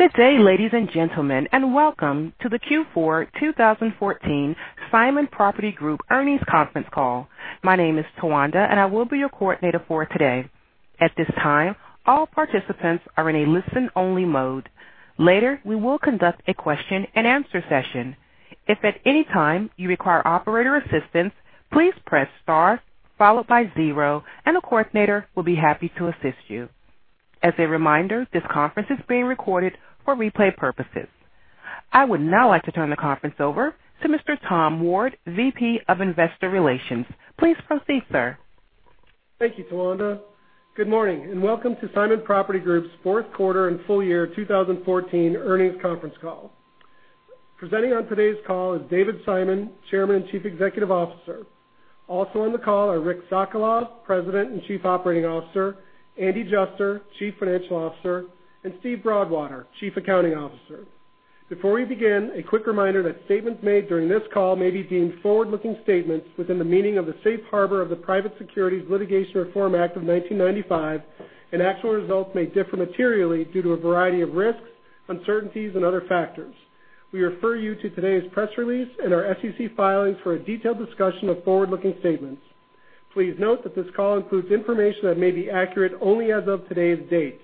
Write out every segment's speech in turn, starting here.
Good day, ladies and gentlemen, and welcome to the Q4 2014 Simon Property Group Earnings Conference Call. My name is Tawanda, and I will be your coordinator for today. At this time, all participants are in a listen-only mode. Later, we will conduct a question and answer session. If at any time you require operator assistance, please press star followed by zero, and a coordinator will be happy to assist you. As a reminder, this conference is being recorded for replay purposes. I would now like to turn the conference over to Mr. Tom Ward, VP of Investor Relations. Please proceed, sir. Thank you, Tawanda. Good morning, and welcome to Simon Property Group's fourth quarter and full year 2014 earnings conference call. Presenting on today's call is David Simon, Chairman and Chief Executive Officer. Also on the call are Rick Sokolov, President and Chief Operating Officer, Andy Juster, Chief Financial Officer, and Steve Broadwater, Chief Accounting Officer. Before we begin, a quick reminder that statements made during this call may be deemed forward-looking statements within the meaning of the Safe Harbor of the Private Securities Litigation Reform Act of 1995, and actual results may differ materially due to a variety of risks, uncertainties, and other factors. We refer you to today's press release and our SEC filings for a detailed discussion of forward-looking statements. Please note that this call includes information that may be accurate only as of today's date.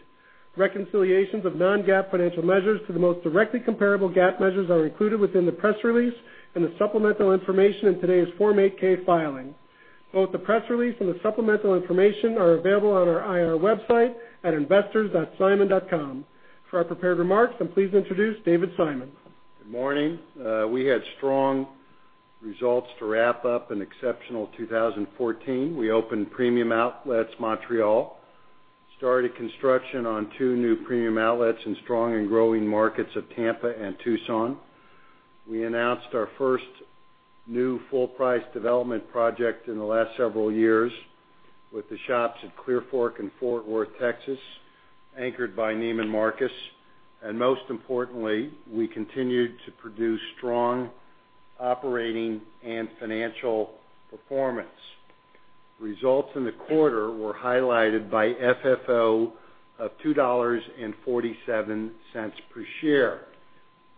Reconciliations of non-GAAP financial measures to the most directly comparable GAAP measures are included within the press release and the supplemental information in today's Form 8-K filing. Both the press release and the supplemental information are available on our IR website at investors.simon.com. For our prepared remarks, I'm pleased to introduce David Simon. Good morning. We had strong results to wrap up an exceptional 2014. We opened Premium Outlets Montréal, started construction on two new premium outlets in strong and growing markets of Tampa and Tucson. We announced our first new full-price development project in the last several years with The Shops at Clearfork in Fort Worth, Texas, anchored by Neiman Marcus. Most importantly, we continued to produce strong operating and financial performance. Results in the quarter were highlighted by FFO of $2.47 per share.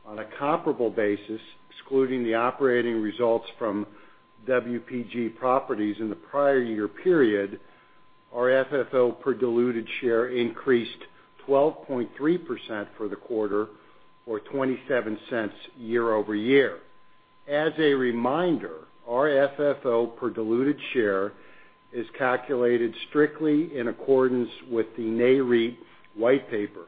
On a comparable basis, excluding the operating results from WPG Properties in the prior year period, our FFO per diluted share increased 12.3% for the quarter, or $0.27 year-over-year. As a reminder, our FFO per diluted share is calculated strictly in accordance with the Nareit white paper,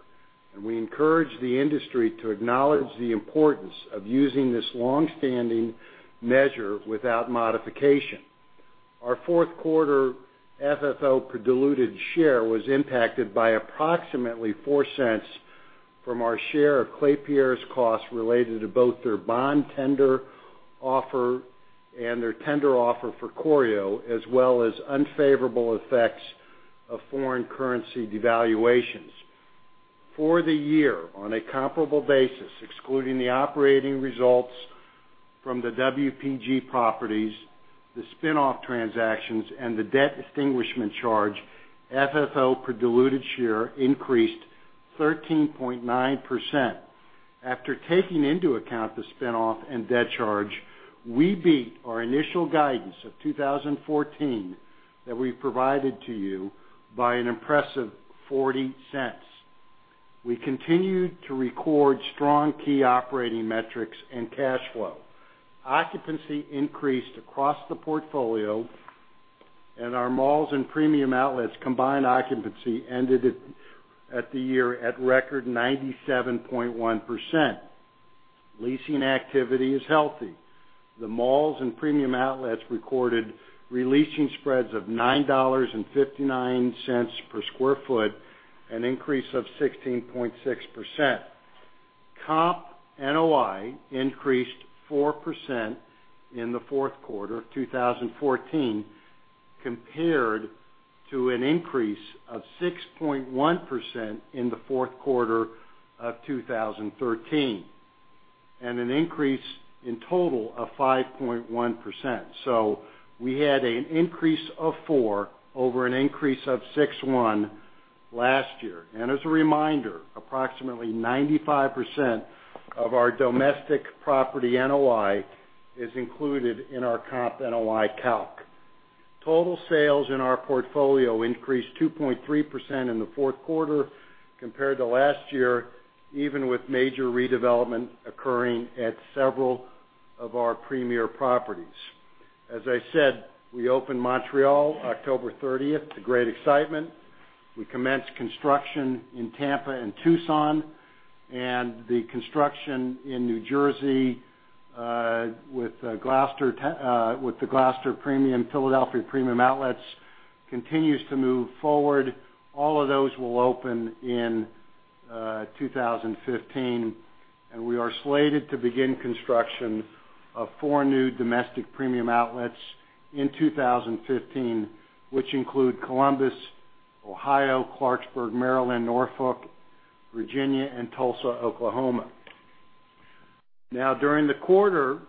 and we encourage the industry to acknowledge the importance of using this long-standing measure without modification. Our fourth quarter FFO per diluted share was impacted by approximately $0.04 from our share of Klépierre's cost related to both their bond tender offer and their tender offer for Corio, as well as unfavorable effects of foreign currency devaluations. For the year, on a comparable basis, excluding the operating results from the WPG properties, the spin-off transactions, and the debt extinguishment charge, FFO per diluted share increased 13.9%. After taking into account the spin-off and debt charge, we beat our initial guidance of 2014 that we provided to you by an impressive $0.40. We continued to record strong key operating metrics and cash flow. Occupancy increased across the portfolio and our malls and Premium Outlets combined occupancy ended at the year at record 97.1%. Leasing activity is healthy. The malls and Premium Outlets recorded re-leasing spreads of $9.59 per square foot, an increase of 16.6%. Comp NOI increased 4% in the fourth quarter of 2014, compared to an increase of 6.1% in the fourth quarter of 2013, and an increase in total of 5.1%. We had an increase of four over an increase of six one last year. As a reminder, approximately 95% of our domestic property NOI is included in our Comp NOI calc. Total sales in our portfolio increased 2.3% in the fourth quarter compared to last year, even with major redevelopment occurring at several of our premier properties. As I said, we opened Montréal October 30th to great excitement. We commenced construction in Tampa and Tucson, and the construction in New Jersey, with the Gloucester Premium Outlets, Philadelphia Premium Outlets, continues to move forward. All of those will open in 2015. We are slated to begin construction of four new domestic Premium Outlets in 2015, which include Columbus, Ohio, Clarksburg, Maryland, Norfolk, Virginia, and Tulsa, Oklahoma. During the quarter,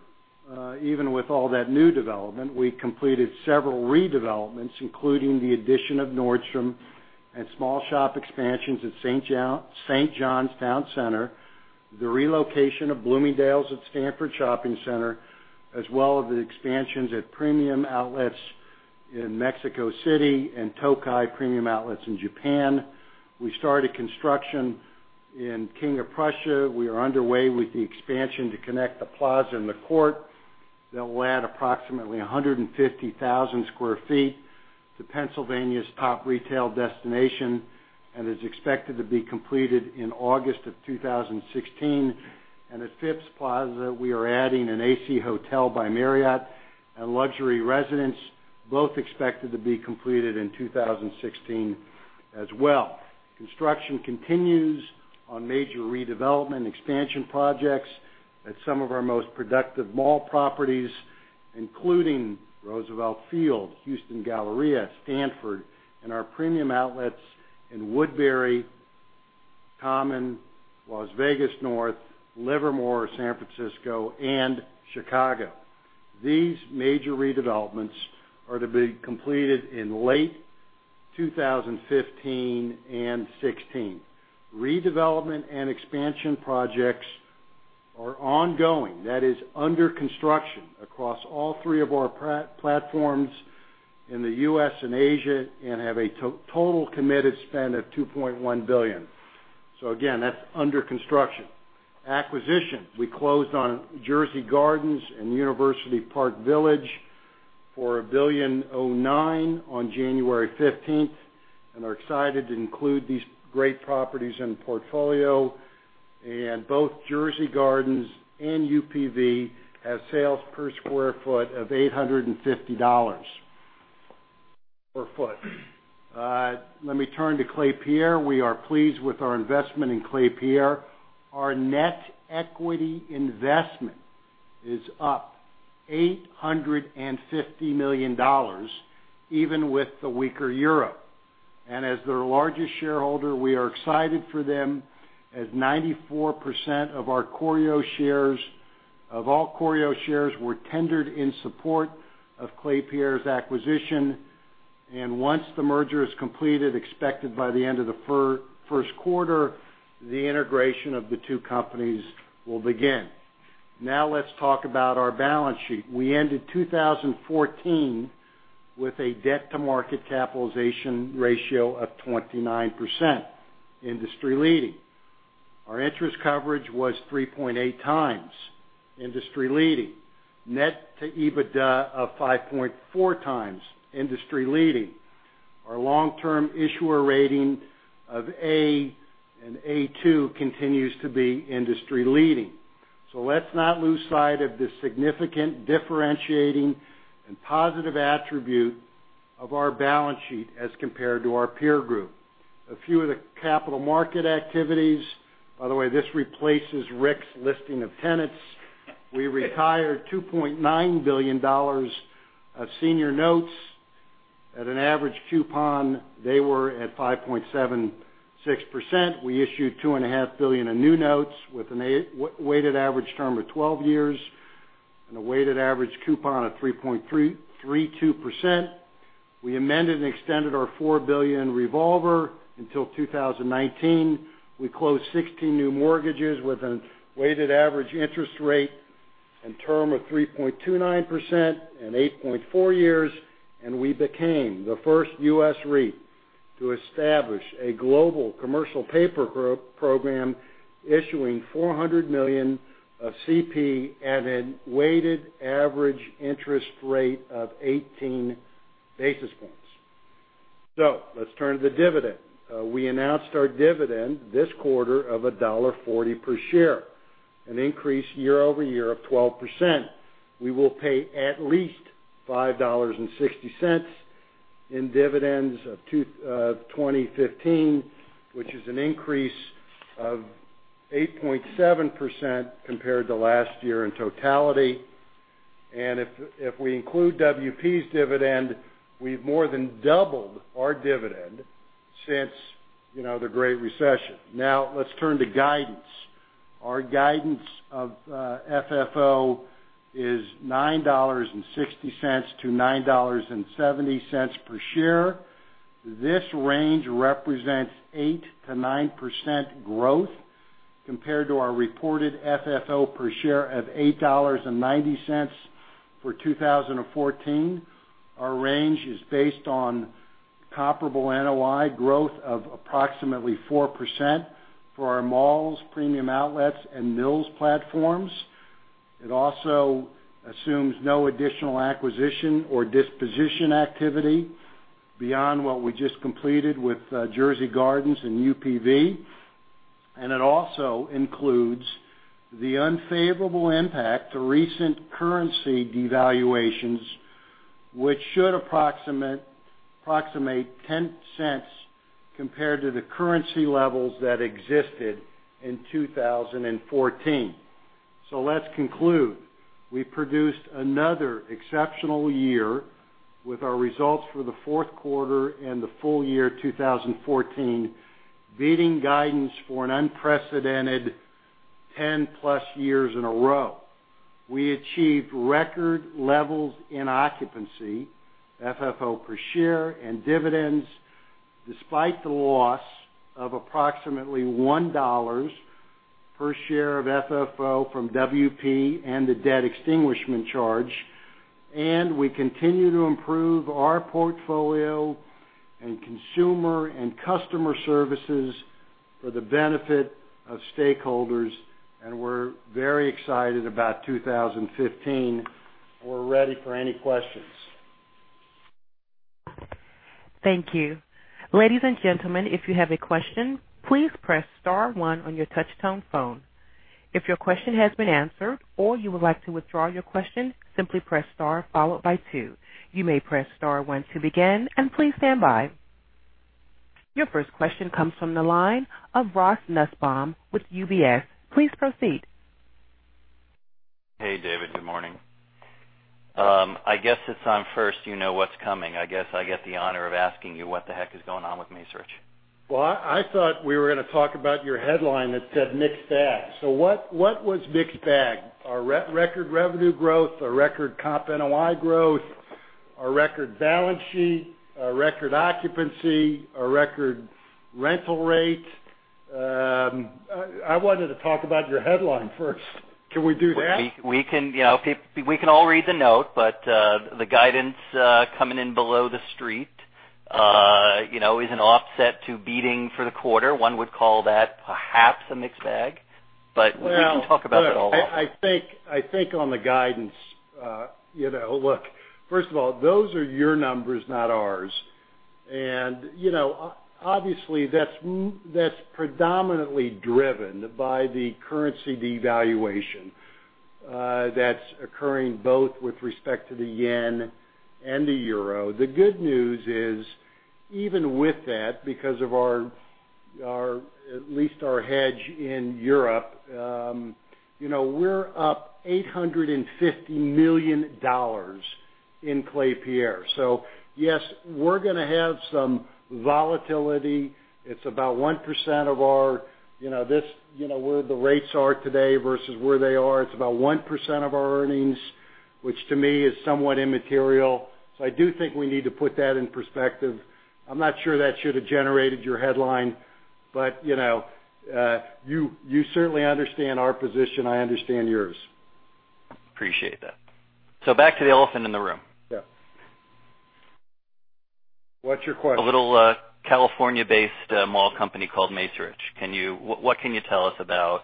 even with all that new development, we completed several redevelopments, including the addition of Nordstrom and small shop expansions at St. John's Town Center, the relocation of Bloomingdale's at Stanford Shopping Center, as well as the expansions at Premium Outlets in Mexico City and Toki Premium Outlets in Japan. We started construction in King of Prussia. We are underway with the expansion to connect the plaza and the court that will add approximately 150,000 sq ft to Pennsylvania's top retail destination, and is expected to be completed in August 2016. At Phipps Plaza, we are adding an AC Hotels by Marriott and luxury residence, both expected to be completed in 2016 as well. Construction continues on major redevelopment expansion projects at some of our most productive mall properties, including Roosevelt Field, Houston Galleria, Stanford, and our Premium Outlets in Woodbury Common, Las Vegas North, Livermore, San Francisco, and Chicago. These major redevelopments are to be completed in late 2015 and 2016. Redevelopment and expansion projects are ongoing, that is under construction across all three of our platforms in the U.S. and Asia, and have a total committed spend of $2.1 billion. Again, that's under construction. Acquisition. We closed on Jersey Gardens and University Park Village for $1.09 billion on January 15th. We are excited to include these great properties in the portfolio. Both Jersey Gardens and UPV have sales per square foot of $850 per foot. Let me turn to Klépierre. We are pleased with our investment in Klépierre. Our net equity investment is up $850 million, even with the weaker euro. As their largest shareholder, we are excited for them as 94% of all Corio shares were tendered in support of Klépierre's acquisition. Once the merger is completed, expected by the end of the first quarter, the integration of the two companies will begin. Let's talk about our balance sheet. We ended 2014 with a debt-to-market capitalization ratio of 29%, industry-leading. Our interest coverage was 3.8 times, industry-leading. Net-to-EBITDA of 5.4 times, industry-leading. Our long-term issuer rating of A and A2 continues to be industry-leading. Let's not lose sight of the significant differentiating and positive attribute of our balance sheet as compared to our peer group. A few of the capital market activities. By the way, this replaces Rick's listing of tenants. We retired $2.9 billion of senior notes at an average coupon, they were at 5.76%. We issued $2.5 billion in new notes with a weighted average term of 12 years and a weighted average coupon of 3.32%. We amended and extended our $4 billion revolver until 2019. We closed 16 new mortgages with a weighted average interest rate and term of 3.29% and 8.4 years, we became the first U.S. REIT to establish a global commercial paper program, issuing $400 million of CP at a weighted average interest rate of 18 basis points. Let's turn to the dividend. We announced our dividend this quarter of $1.40 per share, an increase year-over-year of 12%. We will pay at least $5.60 in dividends of 2015, which is an increase of 8.7% compared to last year in totality. If we include WPG's dividend, we've more than doubled our dividend since the Great Recession. Let's turn to guidance. Our guidance of FFO is $9.60-$9.70 per share. This range represents 8%-9% growth compared to our reported FFO per share of $8.90 for 2014. Our range is based on comparable NOI growth of approximately 4% for our malls, Premium Outlets, and mills platforms. It also assumes no additional acquisition or disposition activity beyond what we just completed with Jersey Gardens and UPV. It also includes the unfavorable impact to recent currency devaluations, which should approximate $0.10 compared to the currency levels that existed in 2014. Let's conclude. We produced another exceptional year with our results for the fourth quarter and the full year 2014, beating guidance for an unprecedented 10-plus years in a row. We achieved record levels in occupancy, FFO per share, and dividends, despite the loss of approximately $1 per share of FFO from WPG and the debt extinguishment charge. We continue to improve our portfolio and consumer and customer services for the benefit of stakeholders, and we're very excited about 2015. We're ready for any questions. Thank you. Ladies and gentlemen, if you have a question, please press *1 on your touch-tone phone. If your question has been answered or you would like to withdraw your question, simply press star followed by 2. You may press *1 to begin, and please stand by. Your first question comes from the line of Ross Nussbaum with UBS. Please proceed. Hey, David. Good morning. I guess since I'm first, you know what's coming. I guess I get the honor of asking you what the heck is going on with Macerich. Well, I thought we were going to talk about your headline that said mixed bag. What was mixed bag? Our record revenue growth, our record Comp NOI growth, our record balance sheet, our record occupancy, our record rental rate. I wanted to talk about your headline first. Can we do that? We can all read the note, but the guidance coming in below the street is an offset to beating for the quarter. One would call that perhaps a mixed bag, but we can talk about it all. I think on the guidance, look, first of all, those are your numbers, not ours. Obviously, that's predominantly driven by the currency devaluation that's occurring both with respect to the yen and the euro. The good news is, even with that, because of at least our hedge in Europe, we're up $850 million in Klépierre. Yes, we're going to have some volatility. Where the rates are today versus where they are, it's about 1% of our earnings, which to me is somewhat immaterial. I do think we need to put that in perspective. I'm not sure that should have generated your headline, but you certainly understand our position. I understand yours. Appreciate that. Back to the elephant in the room. Yeah. What's your question? A little California-based mall company called Macerich. What can you tell us about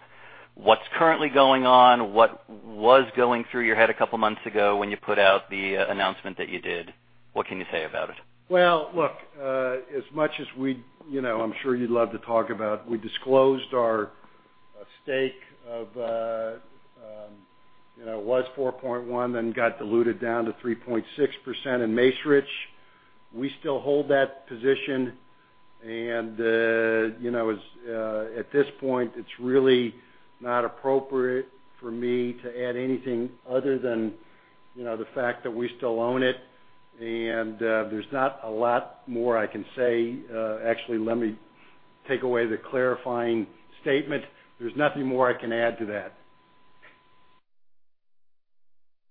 what's currently going on? What was going through your head a couple of months ago when you put out the announcement that you did? What can you say about it? Well, look, as much as I'm sure you'd love to talk about, we disclosed our stake. It was 4.1, then got diluted down to 3.6% in Macerich. We still hold that position. At this point, it's really not appropriate for me to add anything other than the fact that we still own it. There's not a lot more I can say. Actually, let me take away the clarifying statement. There's nothing more I can add to that.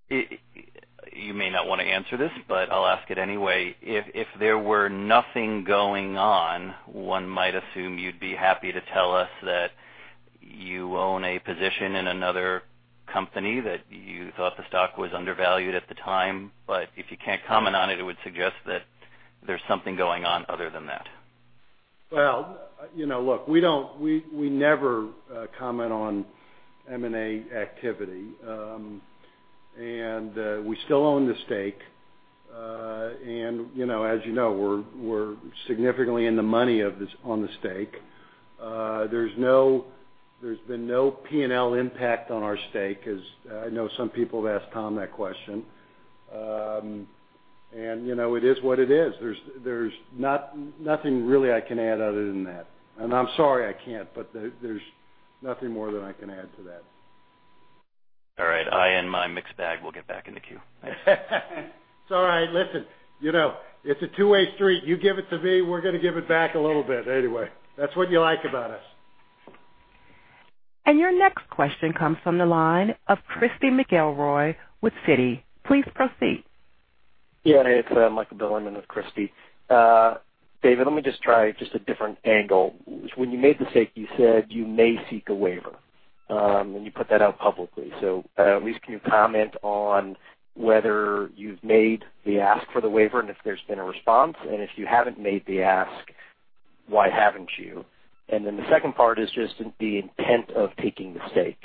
You may not want to answer this. I'll ask it anyway. If there were nothing going on, one might assume you'd be happy to tell us that you own a position in another company, that you thought the stock was undervalued at the time. If you can't comment on it would suggest that there's something going on other than that. Well, look, we never comment on M&A activity. We still own the stake. As you know, we're significantly in the money on the stake. There's been no P&L impact on our stake, as I know some people have asked Tom that question. It is what it is. There's nothing really I can add other than that. I'm sorry I can't. There's nothing more that I can add to that. All right. I and my mixed bag will get back in the queue. Thanks. It's all right. Listen, it's a two-way street. You give it to me, we're going to give it back a little bit anyway. That's what you like about us. Your next question comes from the line of Christy McElroy with Citigroup. Please proceed. Yeah. It's Michael Bilerman with Christy. David, let me just try a different angle, which when you made the stake, you said you may seek a waiver. You put that out publicly. At least can you comment on whether you've made the ask for the waiver and if there's been a response, and if you haven't made the ask, why haven't you? The second part is just the intent of taking the stake.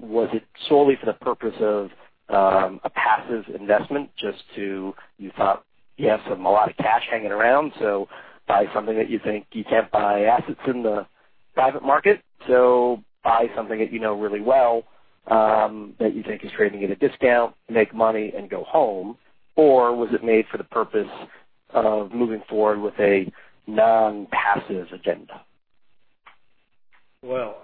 Was it solely for the purpose of a passive investment, just you thought you have a lot of cash hanging around, so buy something that you think you can't buy assets in the private market, so buy something that you know really well, that you think is trading at a discount to make money and go home? Or was it made for the purpose of moving forward with a non-passive agenda? Well,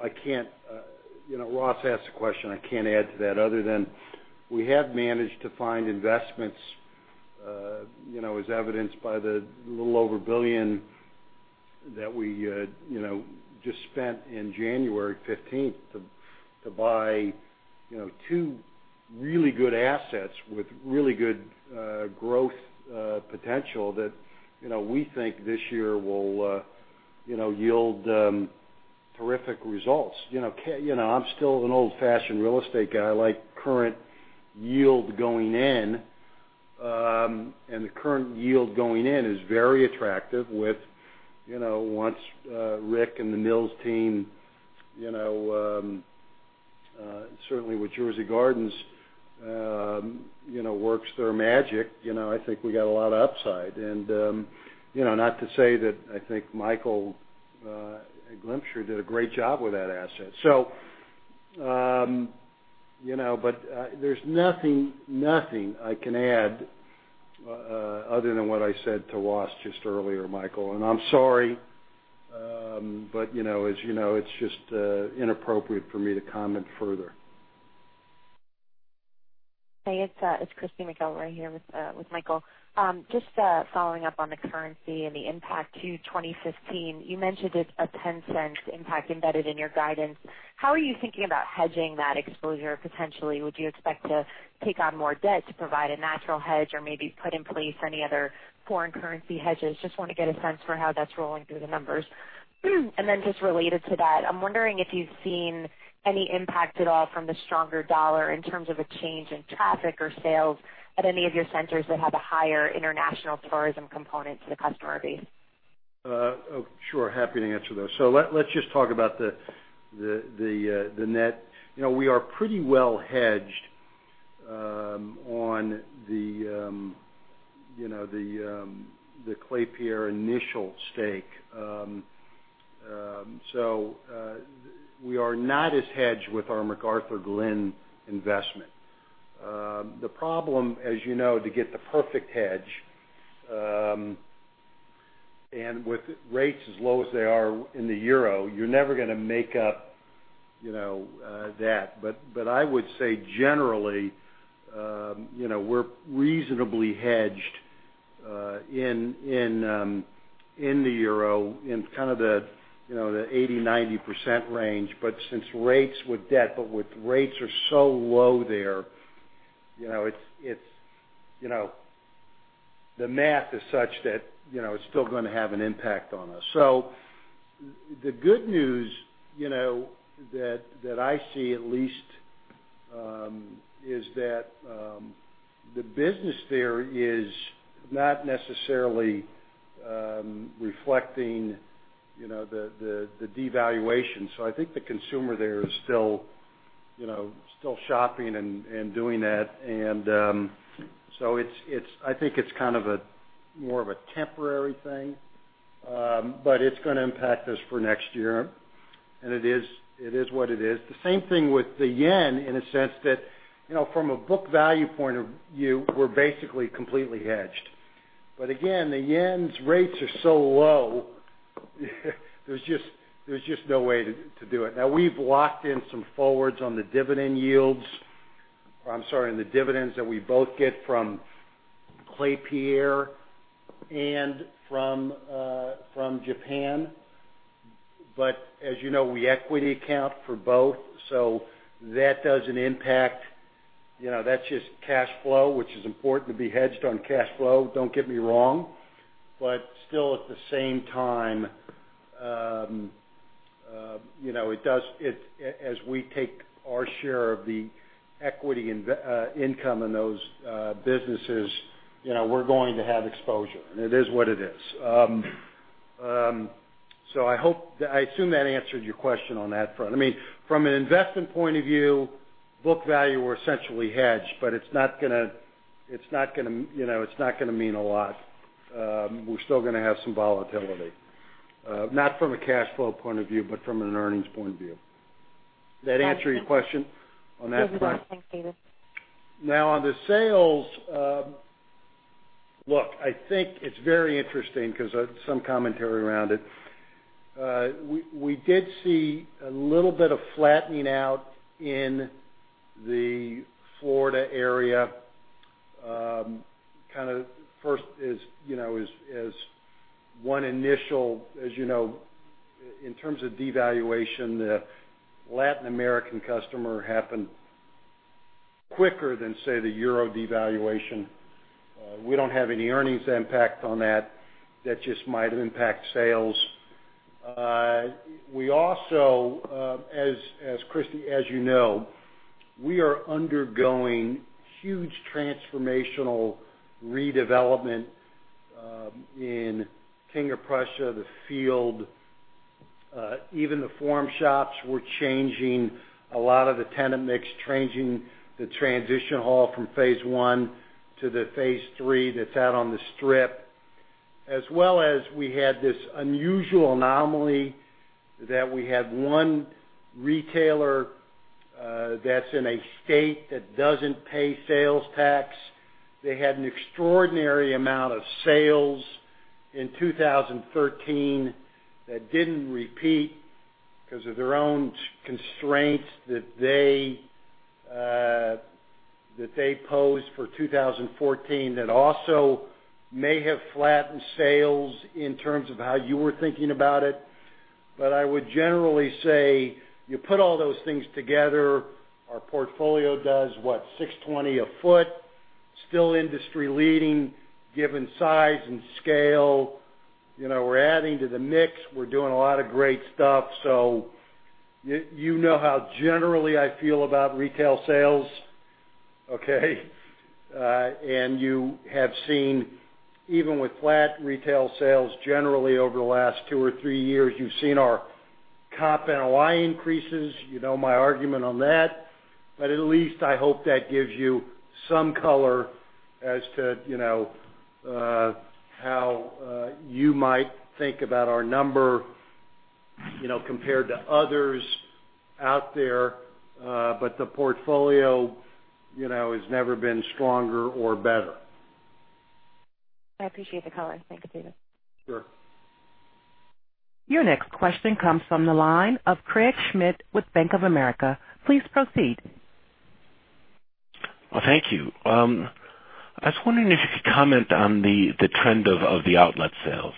Ross asked a question. I can't add to that other than we have managed to find investments, as evidenced by the little over $1 billion that we just spent on January 15th to buy two really good assets with really good growth potential that we think this year will yield terrific results. I'm still an old-fashioned real estate guy. I like the current yield going in, and the current yield going in is very attractive. Once Rick and the Mills team, certainly with Jersey Gardens, works their magic, I think we got a lot of upside. Not to say that I think Michael Glimcher did a great job with that asset. There's nothing I can add other than what I said to Ross just earlier, Michael. I'm sorry, but as you know, it's just inappropriate for me to comment further. Hey, it's Christy McElroy here with Michael. Just following up on the currency and the impact to 2015. You mentioned it's a $0.10 impact embedded in your guidance. How are you thinking about hedging that exposure potentially? Would you expect to take on more debt to provide a natural hedge or maybe put in place any other foreign currency hedges? Just want to get a sense for how that's rolling through the numbers. Just related to that, I'm wondering if you've seen any impact at all from the stronger dollar in terms of a change in traffic or sales at any of your centers that have a higher international tourism component to the customer base. Sure. Happy to answer those. Let's just talk about the net. We are pretty well hedged on the Klépierre initial stake. We are not as hedged with our McArthurGlen investment. The problem, as you know, to get the perfect hedge, and with rates as low as they are in the EUR, you're never going to make up that. I would say generally, we're reasonably hedged in the EUR in kind of the 80%-90% range. Since rates with debt are so low there, the math is such that it's still going to have an impact on us. The good news that I see at least, is that the business there is not necessarily reflecting the devaluation. I think the consumer there is still shopping and doing that. I think it's kind of more of a temporary thing. It's going to impact us for next year, and it is what it is. The same thing with the JPY in a sense that from a book value point of view, we're basically completely hedged. Again, the JPY's rates are so low there's just no way to do it. Now, we've locked in some forwards on the dividend yields, I'm sorry, on the dividends that we both get from Klépierre and from Japan. As you know, we equity account for both. That doesn't impact That's just cash flow, which is important to be hedged on cash flow, don't get me wrong. Still, at the same time, as we take our share of the equity income in those businesses, we're going to have exposure, and it is what it is. I assume that answered your question on that front. From an investment point of view, book value, we're essentially hedged, but it's not going to mean a lot. We're still going to have some volatility. Not from a cash flow point of view, but from an earnings point of view. Did that answer your question on that front? Yes, it does. Thanks, David. On the sales, I think it's very interesting because of some commentary around it. We did see a little bit of flattening out in the Florida area, kind of first as you know, in terms of devaluation, the Latin American customer happened quicker than, say, the euro devaluation. We don't have any earnings impact on that. That just might impact sales. Christy, as you know, we are undergoing huge transformational redevelopment in King of Prussia, Roosevelt Field, even the Forum Shops. We're changing a lot of the tenant mix, changing the transition hall from phase 1 to phase 3 that's out on the strip. As well as we had this unusual anomaly that we had one retailer that's in a state that doesn't pay sales tax. They had an extraordinary amount of sales in 2013 that didn't repeat because of their own constraints that they posed for 2014 that also may have flattened sales in terms of how you were thinking about it. I would generally say, you put all those things together, our portfolio does what? $620 a foot, still industry-leading, given size and scale. We're adding to the mix. We're doing a lot of great stuff. You know how generally I feel about retail sales, okay? You have seen, even with flat retail sales, generally over the last two or three years, you've seen our Comp NOI increases. You know my argument on that. At least I hope that gives you some color as to how you might think about our number compared to others out there. The portfolio has never been stronger or better. I appreciate the color. Thanks, David. Sure. Your next question comes from the line of Craig Schmidt with Bank of America. Please proceed. Well, thank you. I was wondering if you could comment on the trend of the outlet sales.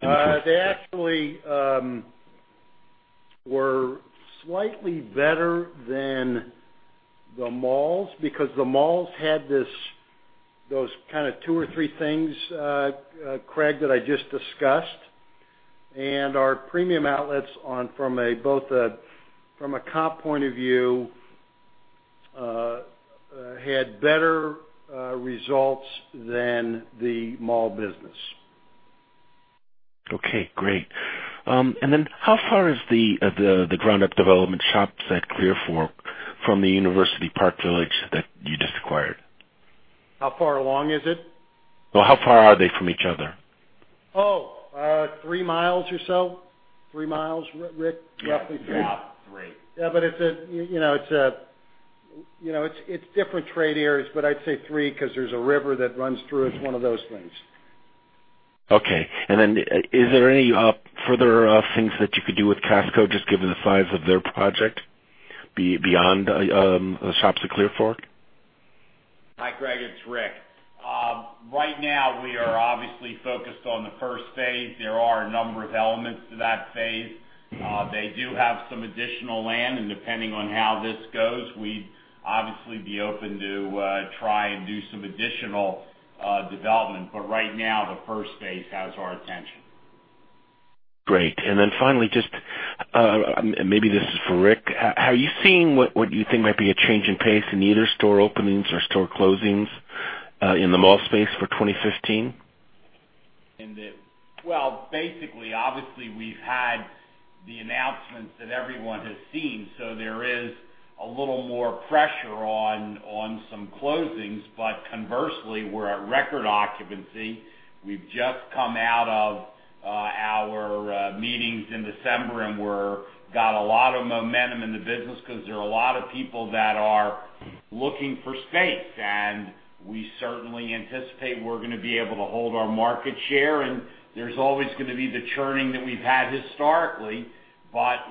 They actually were slightly better than the malls because the malls had those kind of two or three things, Craig, that I just discussed. Our premium outlets from a comp point of view, had better results than the mall business. Okay, great. How far is the ground-up development Shops at Clearfork from the University Park Village that you just acquired? How far along is it? Well, how far are they from each other? Oh, three miles or so. Three miles, Rick, roughly three. Yeah. About three. Yeah, it's different trade areas, I'd say three because there's a river that runs through it's one of those things. Okay. Is there any further things that you could do with Cassco, just given the size of their project beyond The Shops at Clearfork? Hi, Craig, it's Rick. Right now, we are obviously focused on the first phase. There are a number of elements to that phase. They do have some additional land, and depending on how this goes, we'd obviously be open to try and do some additional development. Right now, the first phase has our attention. Great. Finally, just, and maybe this is for Rick, are you seeing what you think might be a change in pace in either store openings or store closings in the mall space for 2015? Basically, obviously, we've had the announcements that everyone has seen, there is a little more pressure on some closings. Conversely, we're at record occupancy. We've just come out of our meetings in December, we've got a lot of momentum in the business because there are a lot of people that are looking for space. We certainly anticipate we're going to be able to hold our market share, there's always going to be the churning that we've had historically,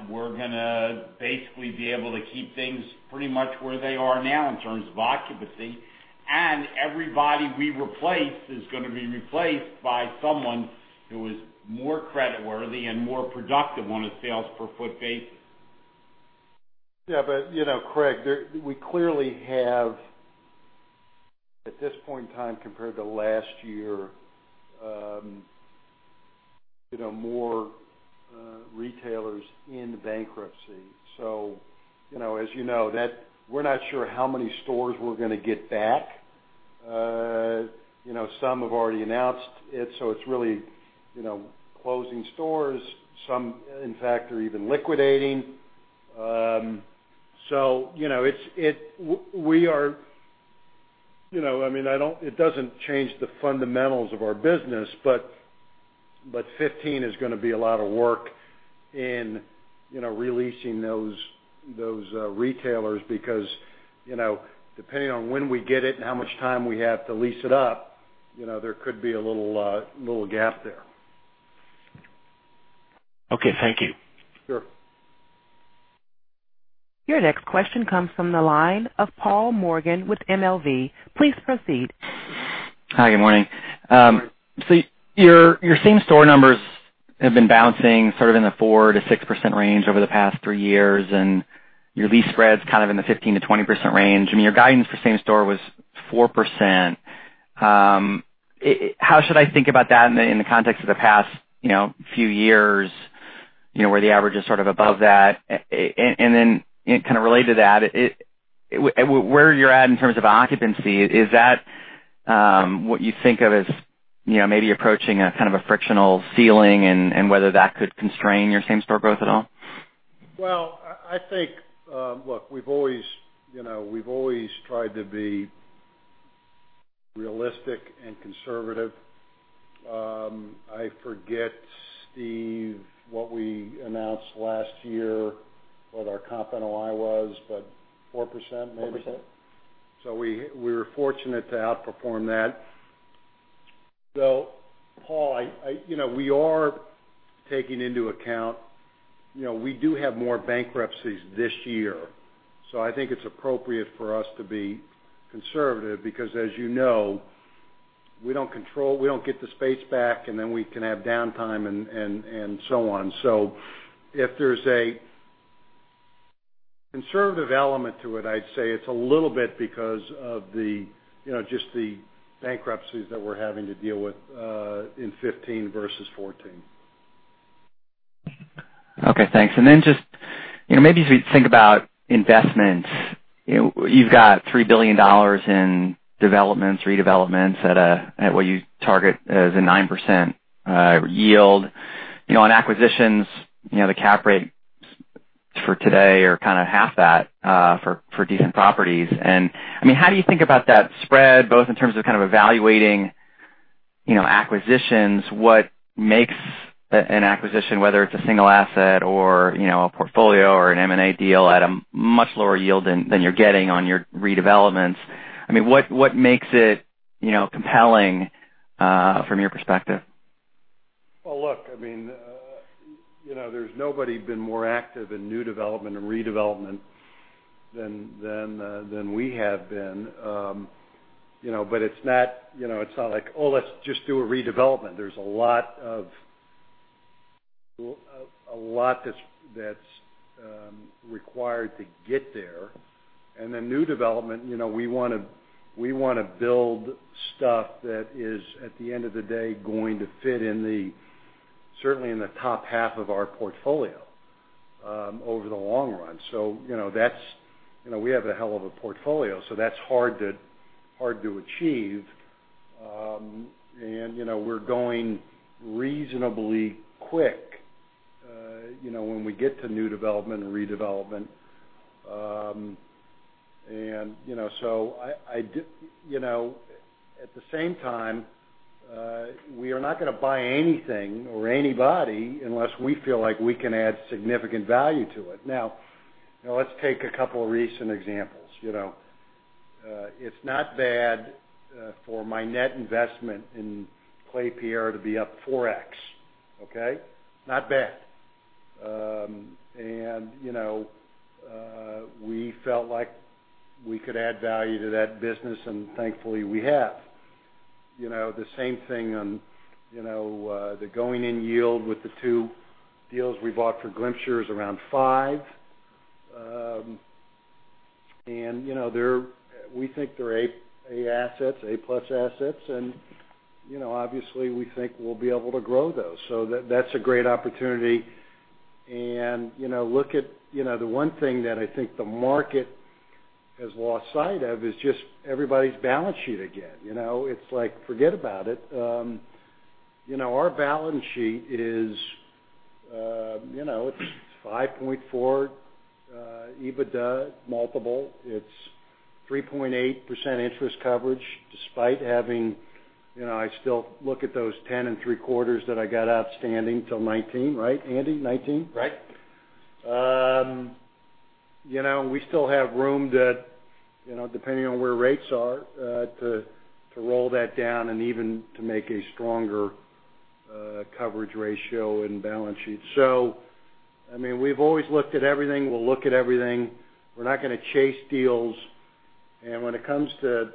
we're going to basically be able to keep things pretty much where they are now in terms of occupancy. Everybody we replace is going to be replaced by someone who is more creditworthy and more productive on a sales per foot basis. Craig, we clearly have, at this point in time compared to last year, more retailers in bankruptcy. As you know, we're not sure how many stores we're going to get back. Some have already announced it's really closing stores. Some, in fact, are even liquidating. It doesn't change the fundamentals of our business, 2015 is going to be a lot of work in re-leasing those retailers because, depending on when we get it and how much time we have to lease it up, there could be a little gap there. Thank you. Sure. Your next question comes from the line of Paul Morgan with MLV. Please proceed. Hi, good morning. Good morning. Your same store numbers have been bouncing sort of in the 4%-6% range over the past 3 years, and your lease spread's kind of in the 15%-20% range. I mean, your guidance for same store was 4%. How should I think about that in the context of the past few years, where the average is sort of above that? Then, kind of related to that, where you're at in terms of occupancy, is that what you think of as maybe approaching a kind of a frictional ceiling and whether that could constrain your same store growth at all? Well, look, we've always tried to be realistic and conservative. I forget, Steve, what we announced last year, what our Comp NOI was, but 4%, maybe? 4%. We were fortunate to outperform that. Paul, we are taking into account, we do have more bankruptcies this year. I think it's appropriate for us to be conservative, because as you know, we don't get the space back, and then we can have downtime and so on. If there's a conservative element to it, I'd say it's a little bit because of just the bankruptcies that we're having to deal with in 2015 versus 2014. Okay, thanks. Maybe if you think about investments, you've got $3 billion in developments, redevelopments at what you target as a 9% yield. On acquisitions, the cap rates for today are kind of half that for decent properties. How do you think about that spread, both in terms of kind of evaluating acquisitions, what makes an acquisition, whether it's a single asset or a portfolio or an M&A deal at a much lower yield than you're getting on your redevelopments? What makes it compelling from your perspective? Well, look, there's nobody been more active in new development and redevelopment than we have been. It's not like, "Oh, let's just do a redevelopment." There's a lot that's required to get there. New development, we want to build stuff that is, at the end of the day, going to fit certainly in the top half of our portfolio over the long run. We have a hell of a portfolio, that's hard to achieve. We're going reasonably quick, when we get to new development and redevelopment. At the same time, we are not going to buy anything or anybody unless we feel like we can add significant value to it. Let's take a couple of recent examples. It's not bad for my net investment in Klépierre to be up 4x. Okay? Not bad. We felt like we could add value to that business, and thankfully, we have. The same thing on the going-in yield with the two deals we bought for Glimcher is around five. We think they're A assets, A+ assets, and obviously, we think we'll be able to grow those. That's a great opportunity. The one thing that I think the market has lost sight of is just everybody's balance sheet again. It's like, forget about it. Our balance sheet is 5.4x EBITDA multiple. It's 3.8% interest coverage, despite having. I still look at those 10 and three quarters that I got outstanding till 2019, right, Andy? 2019? Right. We still have room that, depending on where rates are, to roll that down and even to make a stronger coverage ratio and balance sheet. We've always looked at everything. We'll look at everything. We're not going to chase deals. When it comes to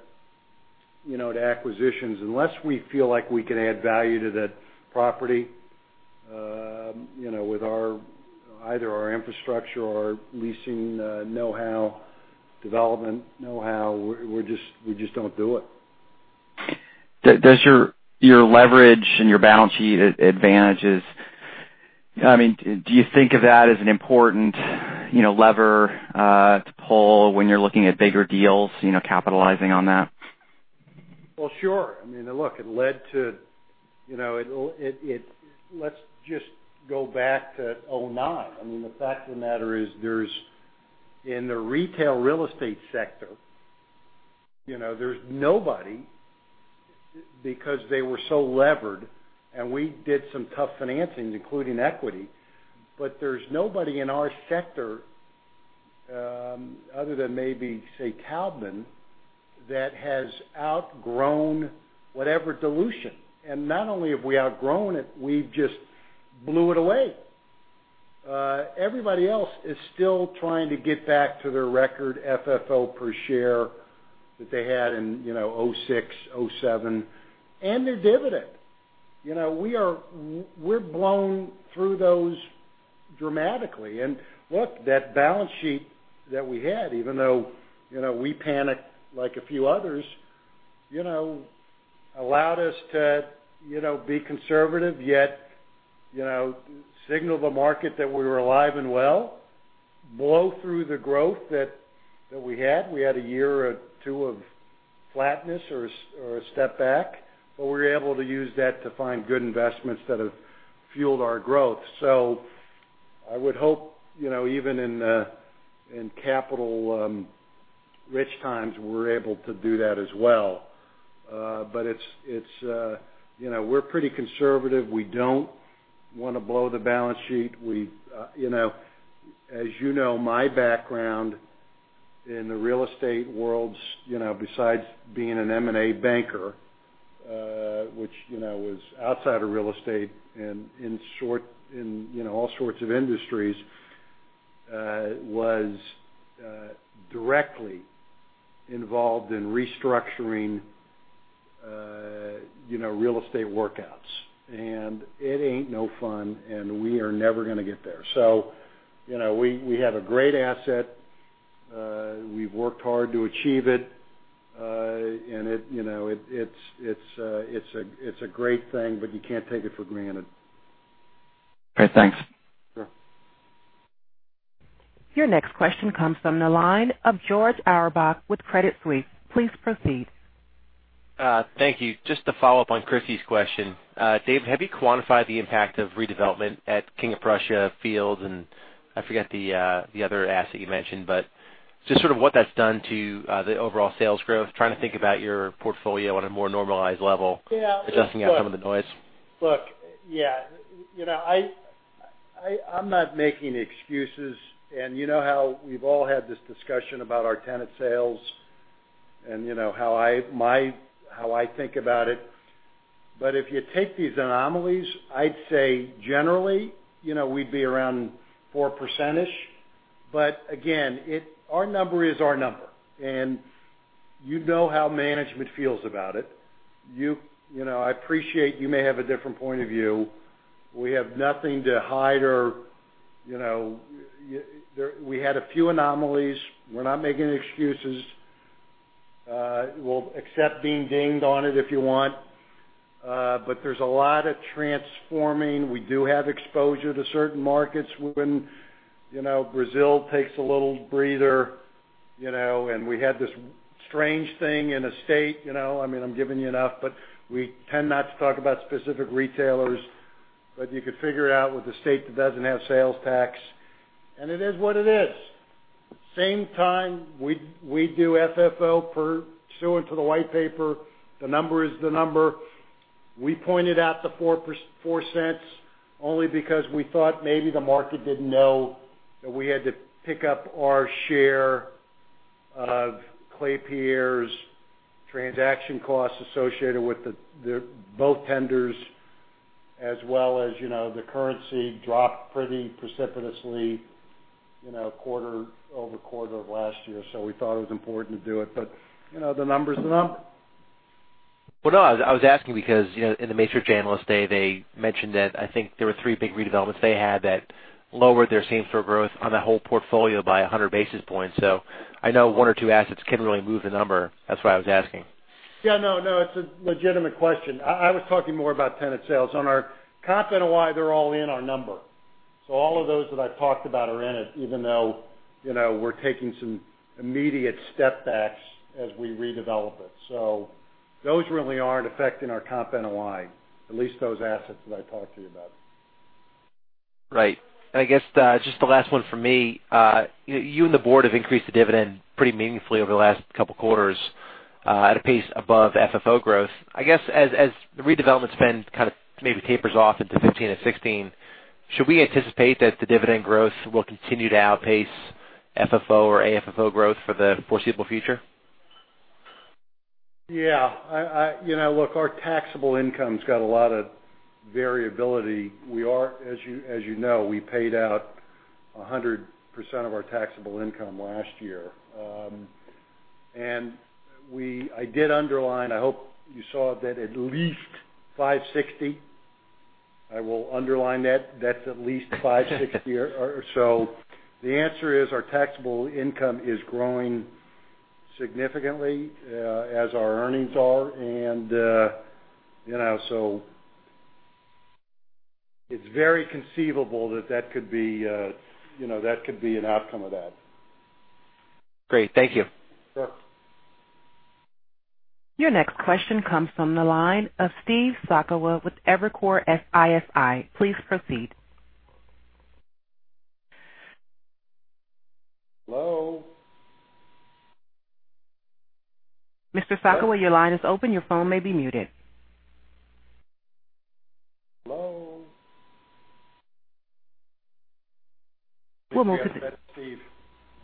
acquisitions, unless we feel like we can add value to that property with either our infrastructure or our leasing know-how, development know-how, we just don't do it. Does your leverage and your balance sheet advantages, do you think of that as an important lever to pull when you're looking at bigger deals, capitalizing on that? Sure. Look, let's just go back to 2009. The fact of the matter is, in the retail real estate sector, there's nobody, because they were so levered, and we did some tough financings, including equity. There's nobody in our sector, other than maybe, say, Taubman, that has outgrown whatever dilution. Not only have we outgrown it, we've just blew it away. Everybody else is still trying to get back to their record FFO per share that they had in 2006, 2007, and their dividend. We're blown through those dramatically. Look, that balance sheet that we had, even though we panicked like a few others, allowed us to be conservative, yet signal the market that we were alive and well, blow through the growth that we had. We had a year or two of flatness or a step back, we were able to use that to find good investments that have fueled our growth. I would hope, even in capital rich times, we're able to do that as well. We're pretty conservative. We don't want to blow the balance sheet. As you know, my background in the real estate world, besides being an M&A banker, which was outside of real estate and in all sorts of industries, was directly involved in restructuring real estate workouts. It ain't no fun, and we are never going to get there. We have a great asset. We've worked hard to achieve it. It's a great thing, but you can't take it for granted. Okay, thanks. Sure. Your next question comes from the line of George Auerbach with Credit Suisse. Please proceed. Thank you. Just to follow up on Christy's question. Dave, have you quantified the impact of redevelopment at King of Prussia field, and I forget the other asset you mentioned, but just sort of what that's done to the overall sales growth. Trying to think about your portfolio on a more normalized level- Yeah adjusting out some of the noise. Look, yeah. I'm not making excuses, and you know how we've all had this discussion about our tenant sales and how I think about it. If you take these anomalies, I'd say generally, we'd be around 4%. Again, our number is our number. You know how management feels about it. I appreciate you may have a different point of view. We have nothing to hide. We had a few anomalies. We're not making excuses. We'll accept being dinged on it if you want. There's a lot of transforming. We do have exposure to certain markets when Brazil takes a little breather, and we had this strange thing in a state. I'm giving you enough, but we tend not to talk about specific retailers. You could figure it out with a state that doesn't have sales tax. It is what it is. Same time, we do FFO per share into the white paper. The number is the number. We pointed out the $0.04 only because we thought maybe the market didn't know that we had to pick up our share of Klépierre's transaction costs associated with both tenders, as well as the currency dropped pretty precipitously quarter-over-quarter of last year. We thought it was important to do it. The number's the number. No, I was asking because in the Macerich Investor Day, they mentioned that I think there were 3 big redevelopments they had that lowered their same store growth on the whole portfolio by 100 basis points. I know one or two assets can really move the number. That's why I was asking. Yeah, no. It's a legitimate question. I was talking more about tenant sales. On our Comp NOI, they're all in our number. All of those that I talked about are in it, even though we're taking some immediate step backs as we redevelop it. Those really aren't affecting our Comp NOI, at least those assets that I talked to you about. Right. I guess just the last one from me. You and the board have increased the dividend pretty meaningfully over the last couple of quarters at a pace above FFO growth. I guess, as the redevelopment spend maybe tapers off into 2015 and 2016, should we anticipate that the dividend growth will continue to outpace FFO or AFFO growth for the foreseeable future? Yeah. Look, our taxable income's got a lot of variability. As you know, we paid out 100% of our taxable income last year. I did underline, I hope you saw that at least $560. I will underline that. That's at least $560. The answer is our taxable income is growing significantly as our earnings are. It's very conceivable that that could be an outcome of that. Great. Thank you. Sure. Your next question comes from the line of Steve Sakwa with Evercore ISI. Please proceed. Hello? Mr. Sakwa, your line is open. Your phone may be muted. Hello? We'll move to the This is Steve.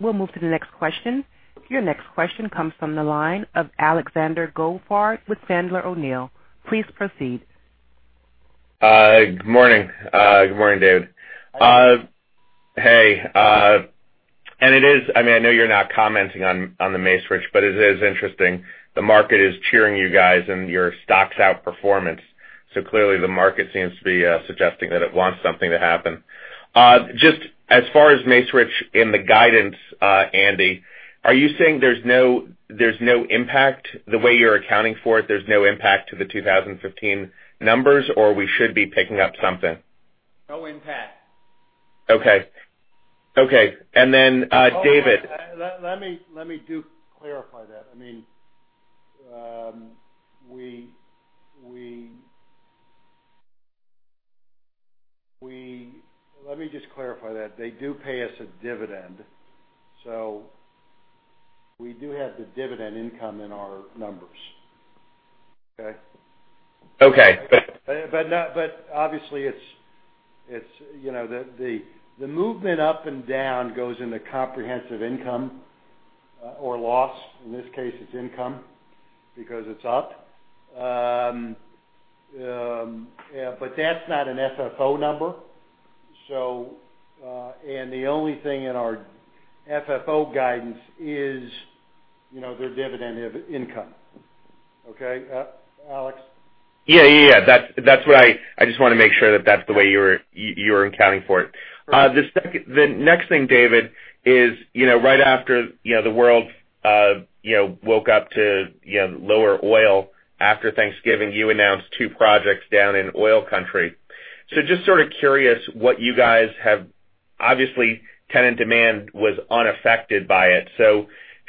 We'll move to the next question. Your next question comes from the line of Alexander Goldfarb with Sandler O'Neill. Please proceed. Good morning. Good morning, Dave. Hi. Hey. I know you're not commenting on the Macerich, but it is interesting. The market is cheering you guys and your stock's outperformance. Clearly, the market seems to be suggesting that it wants something to happen. Just as far as Macerich in the guidance, Andy, are you saying there's no impact, the way you're accounting for it, there's no impact to the 2015 numbers, or we should be picking up something? No impact. Okay. Then, David. Let me do clarify that. Let me just clarify that. They do pay us a dividend, so we do have the dividend income in our numbers. Okay. Okay. Obviously, the movement up and down goes in the comprehensive income or loss. In this case, it's income because it's up. That's not an FFO number. The only thing in our FFO guidance is their dividend income. Okay, Alex. Yeah. I just want to make sure that's the way you're accounting for it. Perfect. The next thing, David, is right after the world woke up to lower oil after Thanksgiving, you announced two projects down in oil country. Just sort of curious, obviously, tenant demand was unaffected by it.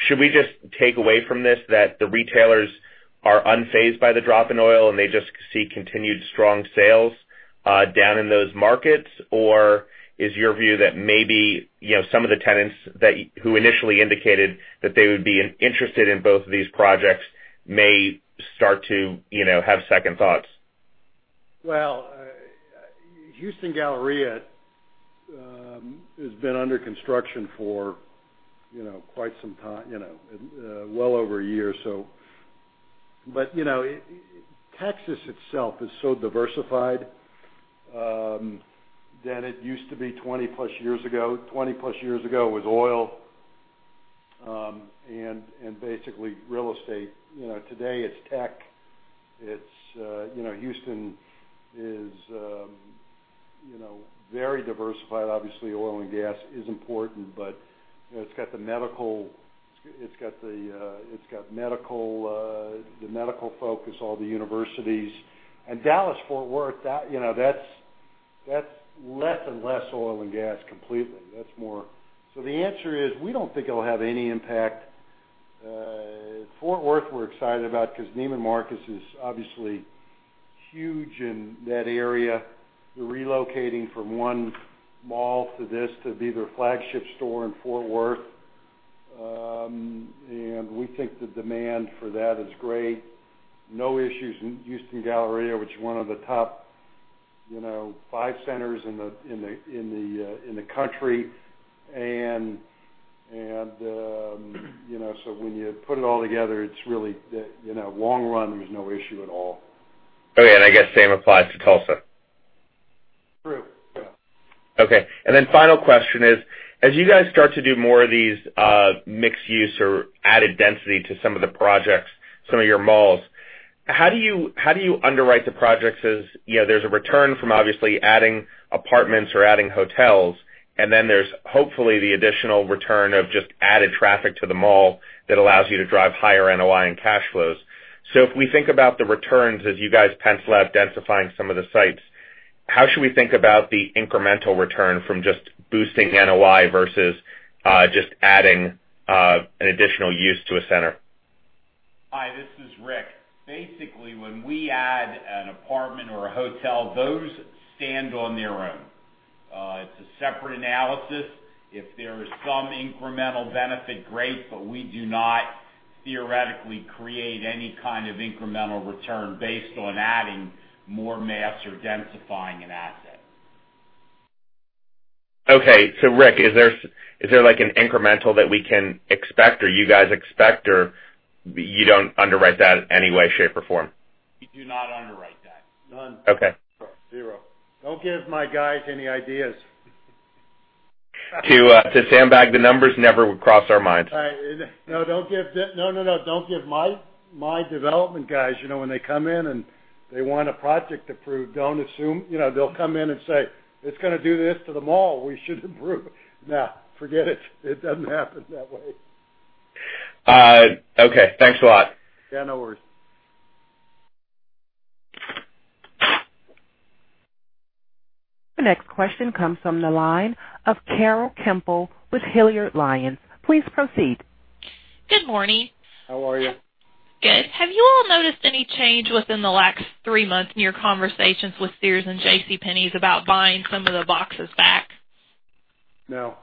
Should we just take away from this that the retailers are unfazed by the drop in oil, and they just see continued strong sales down in those markets? Or is your view that maybe some of the tenants who initially indicated that they would be interested in both of these projects may start to have second thoughts? Well, Houston Galleria has been under construction for quite some time, well over a year. Texas itself is so diversified than it used to be 20-plus years ago. 20-plus years ago, it was oil and basically real estate. Today it's tech. Houston is very diversified. Obviously, oil and gas is important, but it's got the medical focus, all the universities. Dallas-Fort Worth, that's less and less oil and gas completely. The answer is, we don't think it'll have any impact. Fort Worth, we're excited about because Neiman Marcus is obviously huge in that area. They're relocating from one mall to this to be their flagship store in Fort Worth. We think the demand for that is great. No issues in Houston Galleria, which is one of the top five centers in the country. When you put it all together, long run, there's no issue at all. Okay. I guess the same applies to Tulsa. True. Yeah. Final question is, as you guys start to do more of these mixed use or added density to some of the projects, some of your malls, how do you underwrite the projects as there's a return from obviously adding apartments or adding hotels, and then there's hopefully the additional return of just added traffic to the mall that allows you to drive higher NOI and cash flows. If we think about the returns as you guys pencil out densifying some of the sites, how should we think about the incremental return from just boosting NOI versus just adding an additional use to a center? Hi, this is Rick. Basically, when we add an apartment or a hotel, those stand on their own. It's a separate analysis. If there is some incremental benefit, great, we do not theoretically create any kind of incremental return based on adding more mass or densifying an asset. Okay. Rick, is there an incremental that we can expect or you guys expect, or you don't underwrite that in any way, shape, or form? We do not underwrite that. None. Okay. Zero. Don't give my guys any ideas. To sandbag the numbers, never would cross our minds. No, don't give my development guys, when they come in, and they want a project approved, don't assume. They'll come in and say, "It's going to do this to the mall. We should approve." No, forget it. It doesn't happen that way. Okay. Thanks a lot. Yeah, no worries. The next question comes from the line of Carol Kemple with Hilliard Lyons. Please proceed. Good morning. How are you? Good. Have you all noticed any change within the last three months in your conversations with Sears and J.C. Penney's about buying some of the boxes back? No.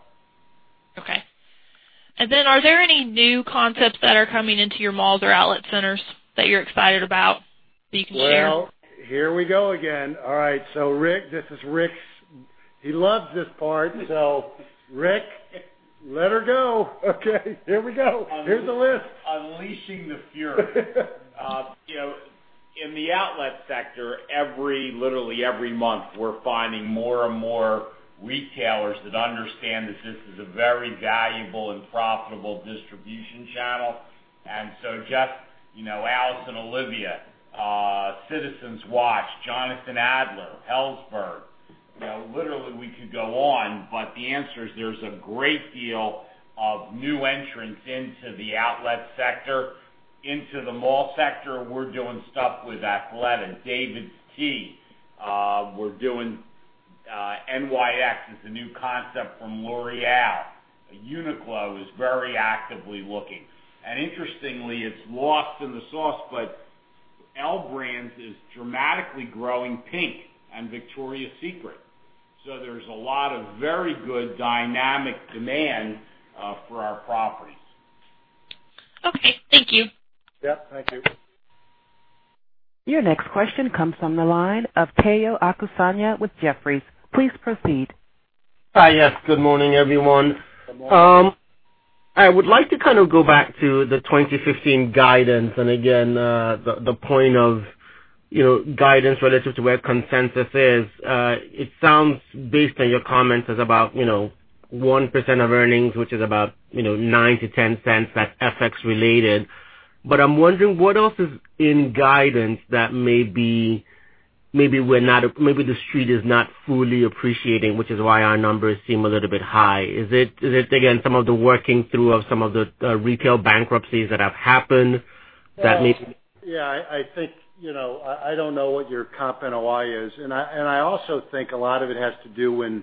Okay. Are there any new concepts that are coming into your malls or outlet centers that you're excited about, that you can share? Well, here we go again. All right. Rick, he loves this part. Rick, let her go. Okay, here we go. Here's the list. Unleashing the fury. In the outlet sector, literally every month, we're finding more and more retailers that understand that this is a very valuable and profitable distribution channel. Just Alice + Olivia, Citizen Watch, Jonathan Adler, Helzberg. Literally, we could go on, the answer is there's a great deal of new entrants into the outlet sector. Into the mall sector, we're doing stuff with Athleta, DAVIDsTEA. NYX is a new concept from L'Oréal. Uniqlo is very actively looking. Interestingly, it's lost in the sauce, L Brands is dramatically growing PINK and Victoria's Secret. There's a lot of very good dynamic demand for our properties. Okay. Thank you. Yeah, thank you. Your next question comes from the line of Omotayo Okusanya with Jefferies. Please proceed. Hi. Yes. Good morning, everyone. Good morning. I would like to go back to the 2015 guidance and again, the point of guidance relative to where consensus is. It sounds, based on your comments, is about 1% of earnings, which is about $0.09-$0.10, that's FX related. I'm wondering, what else is in guidance that maybe The Street is not fully appreciating, which is why our numbers seem a little bit high. Is it, again, some of the working through of some of the retail bankruptcies that have happened. Yeah, I don't know what your Comp NOI is. I also think a lot of it has to do in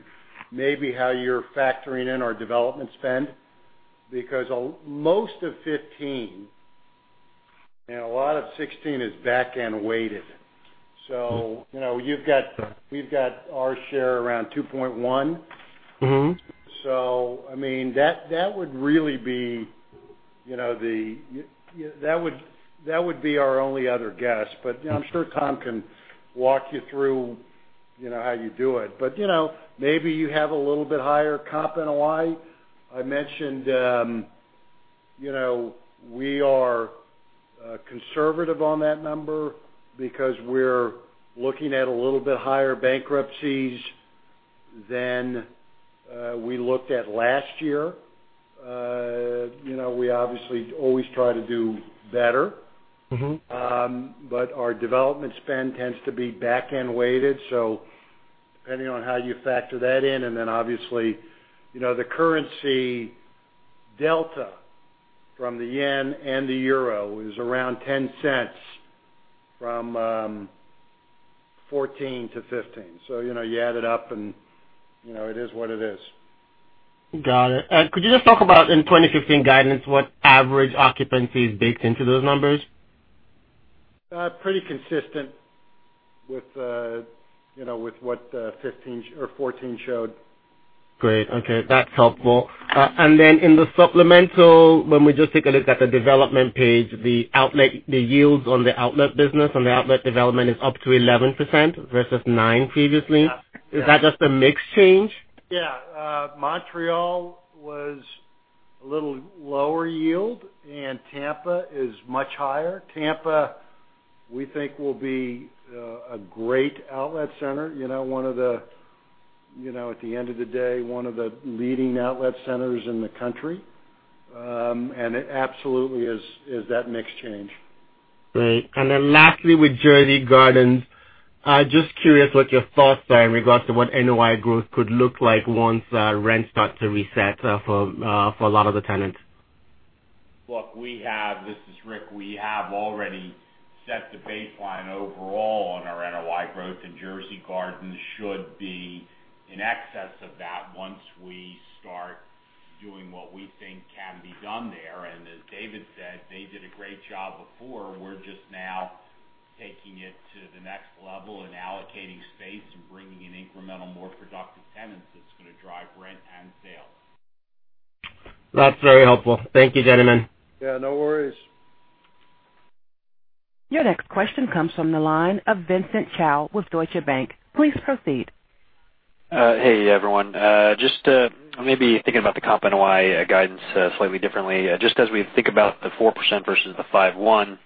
maybe how you're factoring in our development spend, because most of 2015 and a lot of 2016 is back-end weighted. We've got our share around 2.1. That would be our only other guess, but I'm sure Tom can walk you through how you do it. Maybe you have a little bit higher Comp NOI. I mentioned we are conservative on that number because we're looking at a little bit higher bankruptcies than we looked at last year. We obviously always try to do better. Our development spend tends to be back-end weighted, depending on how you factor that in, and then obviously, the currency delta from the JPY and the EUR is around $0.10 from 2014 to 2015. You add it up, and it is what it is. Got it. Could you just talk about, in 2015 guidance, what average occupancy is baked into those numbers? Pretty consistent with what 2014 showed. Great. Okay. That's helpful. Then in the supplemental, when we just take a look at the development page, the yields on the outlet business, on the outlet development is up to 11% versus 9 previously. Yeah. Is that just a mix change? Yeah. Montreal was a little lower yield, Tampa is much higher. Tampa, we think will be a great outlet center. At the end of the day, one of the leading outlet centers in the country. It absolutely is that mix change. Great. Then lastly, with Jersey Gardens, just curious what your thoughts are in regards to what NOI growth could look like once rents start to reset for a lot of the tenants. Look, this is Rick. We have already set the baseline overall on our NOI growth, and Jersey Gardens should be in excess of that once we start doing what we think can be done there. As David said, they did a great job before. We're just now taking it to the next level and allocating space and bringing in incremental, more productive tenants that's going to drive rent and sales. That's very helpful. Thank you, gentlemen. Yeah, no worries. Your next question comes from the line of Vincent Chao with Deutsche Bank. Please proceed. Hey, everyone. Maybe thinking about the Comp NOI guidance slightly differently. As we think about the 4% versus the 5.1,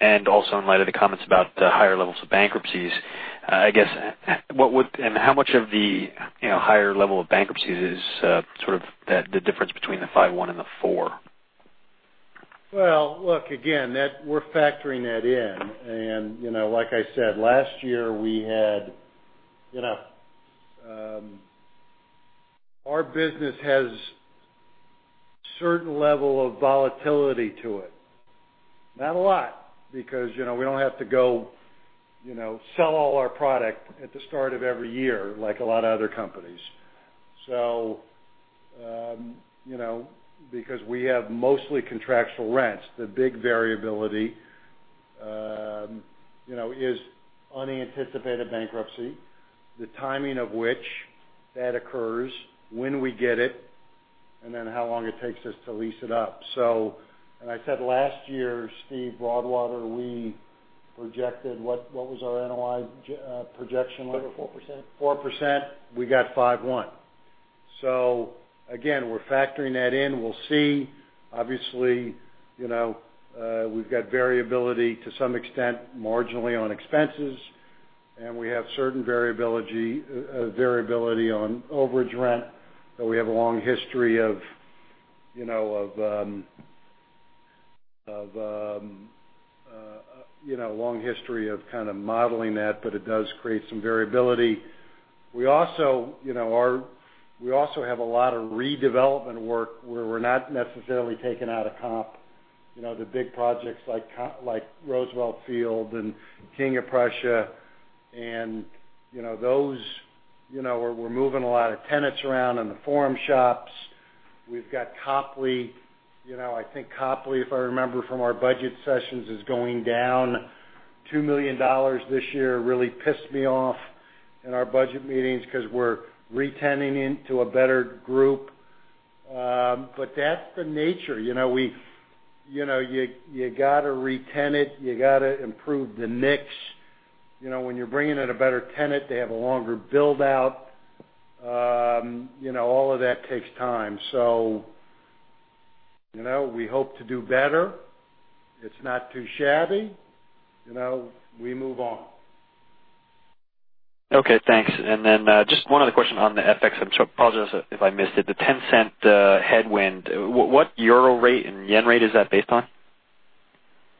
and also in light of the comments about the higher levels of bankruptcies, and how much of the higher level of bankruptcies is sort of the difference between the 5.1 and the 4? Well, look, again, we're factoring that in. Like I said, last year, our business has certain level of volatility to it. Not a lot, because we don't have to go sell all our product at the start of every year like a lot of other companies. We have mostly contractual rents, the big variability is unanticipated bankruptcy, the timing of which that occurs, when we get it, and then how long it takes us to lease it up. I said last year, Steve Broadwater, we projected, what was our NOI projection, like? 4%. 4%. We got 5.1. Again, we're factoring that in. We'll see. Obviously, we've got variability to some extent, marginally on expenses, we have certain variability on overage rent, that we have a long history of kind of modeling that, but it does create some variability. We also have a lot of redevelopment work where we're not necessarily taking out a Comp. The big projects like Roosevelt Field and King of Prussia, and those where we're moving a lot of tenants around in the forum shops. We've got Copley. I think Copley, if I remember from our budget sessions, is going down $2 million this year, really pissed me off in our budget meetings because we're re-tenanting into a better group. That's the nature. You got to re-tenant, you got to improve the mix. When you're bringing in a better tenant, they have a longer build-out. All of that takes time. We hope to do better. It's not too shabby. We move on. Okay, thanks. Just one other question on the FX. I apologize if I missed it, the $0.10 headwind. What euro rate and yen rate is that based on?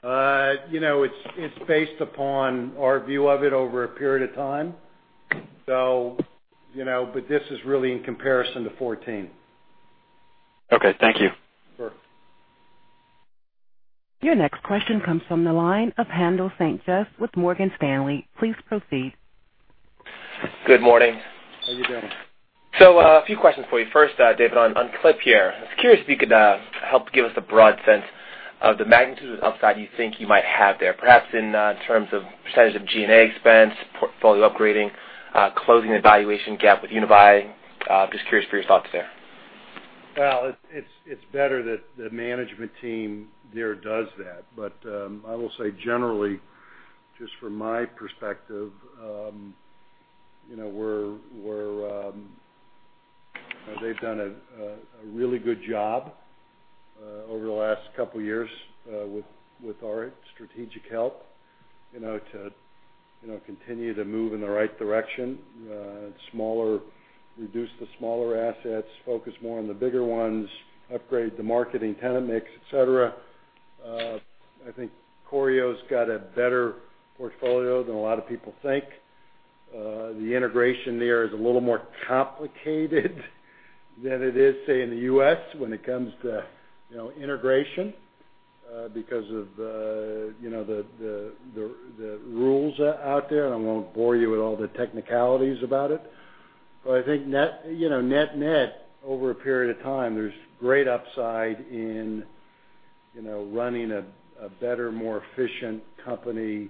It's based upon our view of it over a period of time. This is really in comparison to 2014. Okay, thank you. Sure. Your next question comes from the line of Haendel St. Juste with Morgan Stanley. Please proceed. Good morning. How you doing? A few questions for you. First, David, on Klépierre here. I was curious if you could help give us a broad sense of the magnitude of upside you think you might have there, perhaps in terms of percentage of G&A expense, portfolio upgrading, closing the valuation gap with Unibail. Just curious for your thoughts there. It's better that the management team there does that. I will say generally, just from my perspective, they've done a really good job over the last couple of years with our strategic help to continue to move in the right direction, reduce the smaller assets, focus more on the bigger ones, upgrade the marketing tenant mix, et cetera. I think Corio's got a better portfolio than a lot of people think. The integration there is a little more complicated than it is, say, in the U.S. when it comes to integration because of the rules out there, and I won't bore you with all the technicalities about it. I think net net, over a period of time, there's great upside in running a better, more efficient company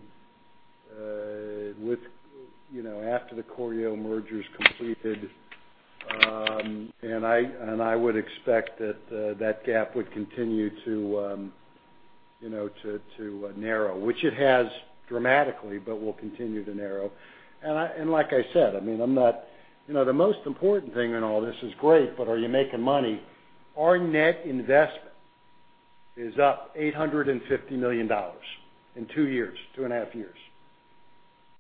after the Corio merger's completed. I would expect that that gap would continue to narrow, which it has dramatically, but will continue to narrow. Like I said, the most important thing in all this is great, but are you making money? Our net investment is up $850 million in two years, two and a half years.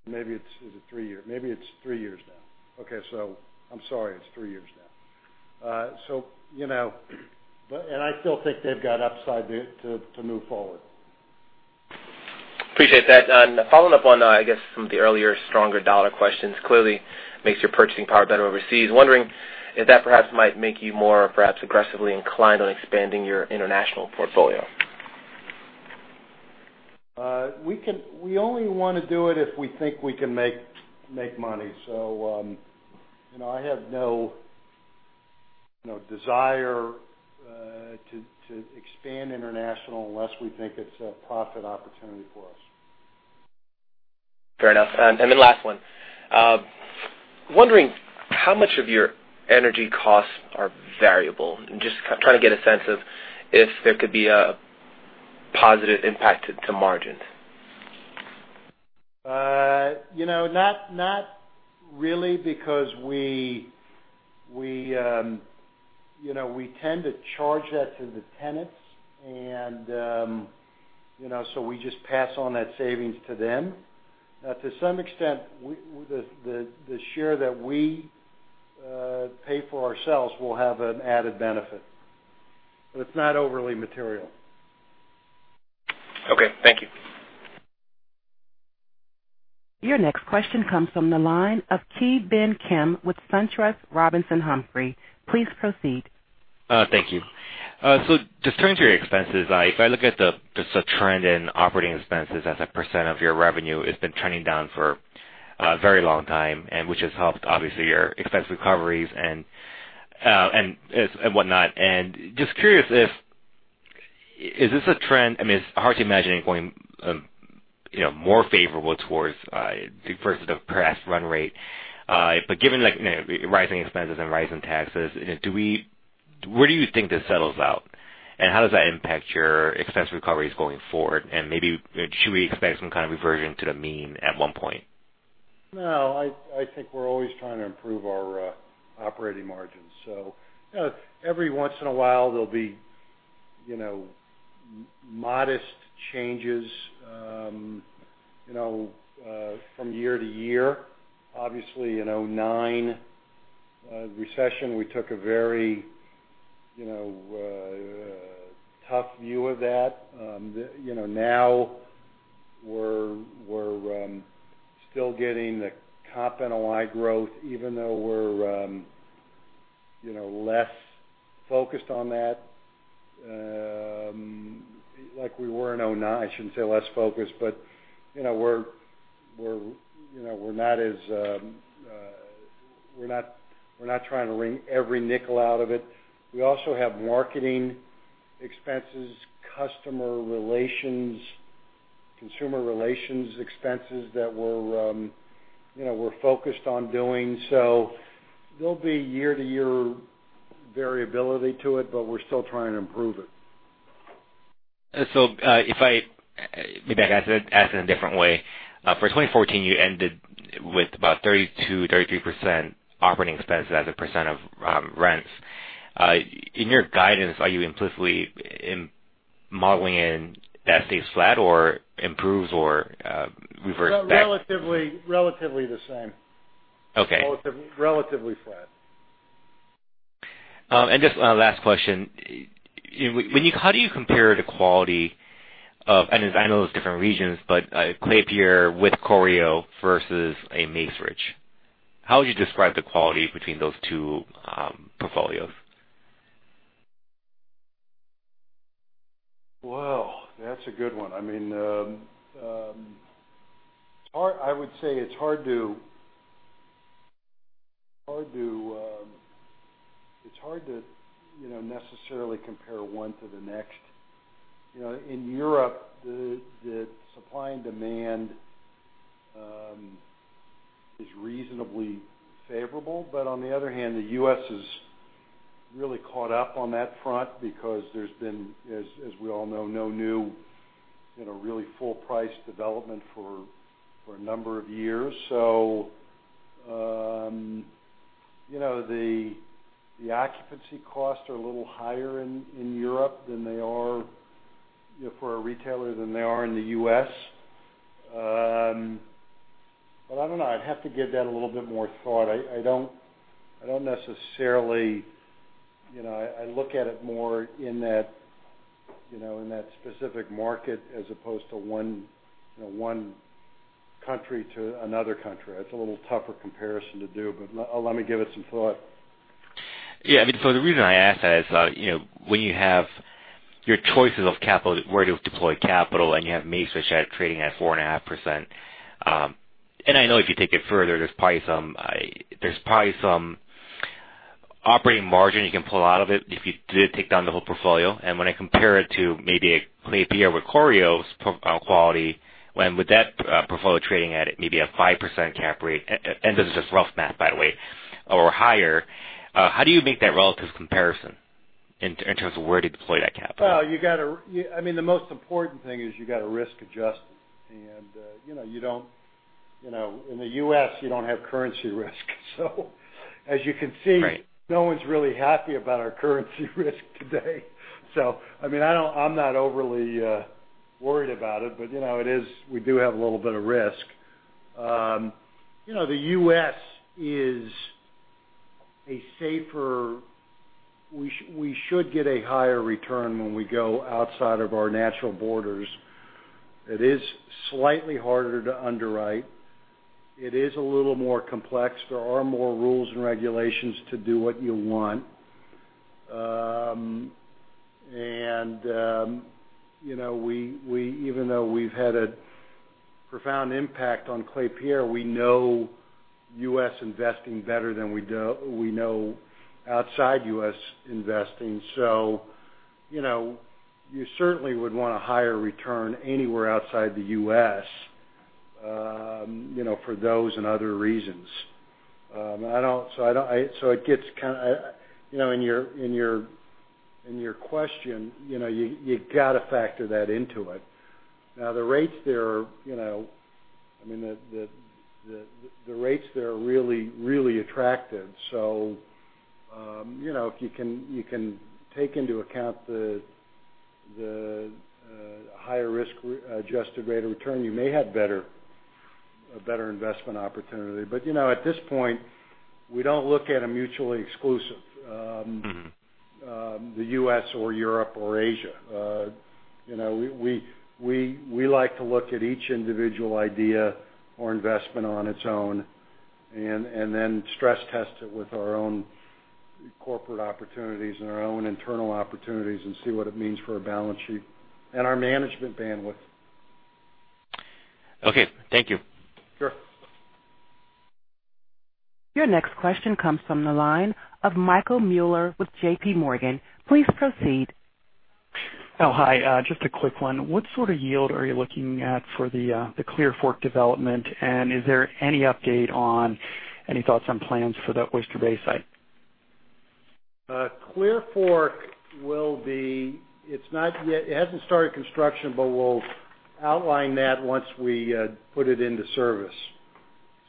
Maybe it's three years now. Okay. I'm sorry, it's three years now. I still think they've got upside there to move forward. Appreciate that. Following up on, I guess, some of the earlier stronger dollar questions, clearly makes your purchasing power better overseas. Wondering if that perhaps might make you more, perhaps aggressively inclined on expanding your international portfolio. We only want to do it if we think we can make money. I have no desire to expand international unless we think it's a profit opportunity for us. Fair enough. Last one. Wondering how much of your energy costs are variable, and just trying to get a sense of if there could be a positive impact to margins. Not really because we tend to charge that to the tenants, we just pass on that savings to them. To some extent, the share that we pay for ourselves will have an added benefit, it's not overly material. Okay, thank you. Your next question comes from the line of Ki Bin Kim with SunTrust Robinson Humphrey. Please proceed. Thank you. Just turning to your expenses, if I look at just the trend in operating expenses as a % of your revenue, it's been trending down for a very long time, which has helped, obviously, your expense recoveries and whatnot. Just curious if, is this a trend? I mean, it's hard to imagine it going more favorable towards versus the perhaps run rate. Given like rising expenses and rising taxes, where do you think this settles out? How does that impact your expense recoveries going forward? Maybe should we expect some kind of reversion to the mean at one point? I think we're always trying to improve our operating margins. Every once in a while, there'll be modest changes from year to year. Obviously, 2009 recession, we took a very tough view of that. We're still getting the Comp NOI growth, even though we're less focused on that, like we were in 2009. I shouldn't say less focused. We're not trying to wring every nickel out of it. We also have marketing expenses, customer relations, consumer relations expenses that we're focused on doing. There'll be year-to-year variability to it, but we're still trying to improve it. If I maybe I can ask it in a different way. For 2014, you ended with about 32%-33% operating expenses as a % of rents. In your guidance, are you implicitly modeling in that stays flat or improves or reverts back? Relatively the same. Okay. Relatively flat. Just last question. How do you compare the quality of, and I know it's different regions, but Klépierre with Corio versus a Macerich? How would you describe the quality between those two portfolios? Well, that's a good one. I would say it's hard to necessarily compare one to the next. In Europe, the supply and demand is reasonably favorable. On the other hand, the U.S. has really caught up on that front because there's been, as we all know, no new really full price development for a number of years. The occupancy costs are a little higher in Europe for a retailer than they are in the U.S. I don't know. I'd have to give that a little bit more thought. I look at it more in that specific market as opposed to one country to another country. That's a little tougher comparison to do, but let me give it some thought. Yeah. The reason I ask that is, when you have your choices of capital, where to deploy capital, and you have Macerich trading at 4.5%. I know if you take it further, there's probably some operating margin you can pull out of it if you did take down the whole portfolio. When I compare it to maybe a Klépierre with Corio's quality, when would that portfolio trading at maybe a 5% cap rate, and this is just rough math, by the way, or higher. How do you make that relative comparison in terms of where to deploy that capital? The most important thing is you got to risk adjust. In the U.S., you don't have currency risk. As you can see- Right no one's really happy about our currency risk today. I'm not overly worried about it, but we do have a little bit of risk. The U.S. is safer. We should get a higher return when we go outside of our natural borders. It is slightly harder to underwrite. It is a little more complex. There are more rules and regulations to do what you want. Even though we've had a profound impact on Klépierre, we know U.S. investing better than we know outside U.S. investing. You certainly would want a higher return anywhere outside the U.S. for those and other reasons. In your question, you got to factor that into it. The rates there are really attractive. If you can take into account the higher risk-adjusted rate of return, you may have a better investment opportunity. At this point, we don't look at them mutually exclusive. The U.S. or Europe or Asia. We like to look at each individual idea or investment on its own, and then stress test it with our own corporate opportunities and our own internal opportunities and see what it means for our balance sheet and our management bandwidth. Okay. Thank you. Sure. Your next question comes from the line of Michael Mueller with JPMorgan. Please proceed. Oh, hi. Just a quick one. What sort of yield are you looking at for the Clearfork development, and is there any update on any thoughts on plans for that Oyster Bay site? Clearfork, it hasn't started construction, but we'll outline that once we put it into service.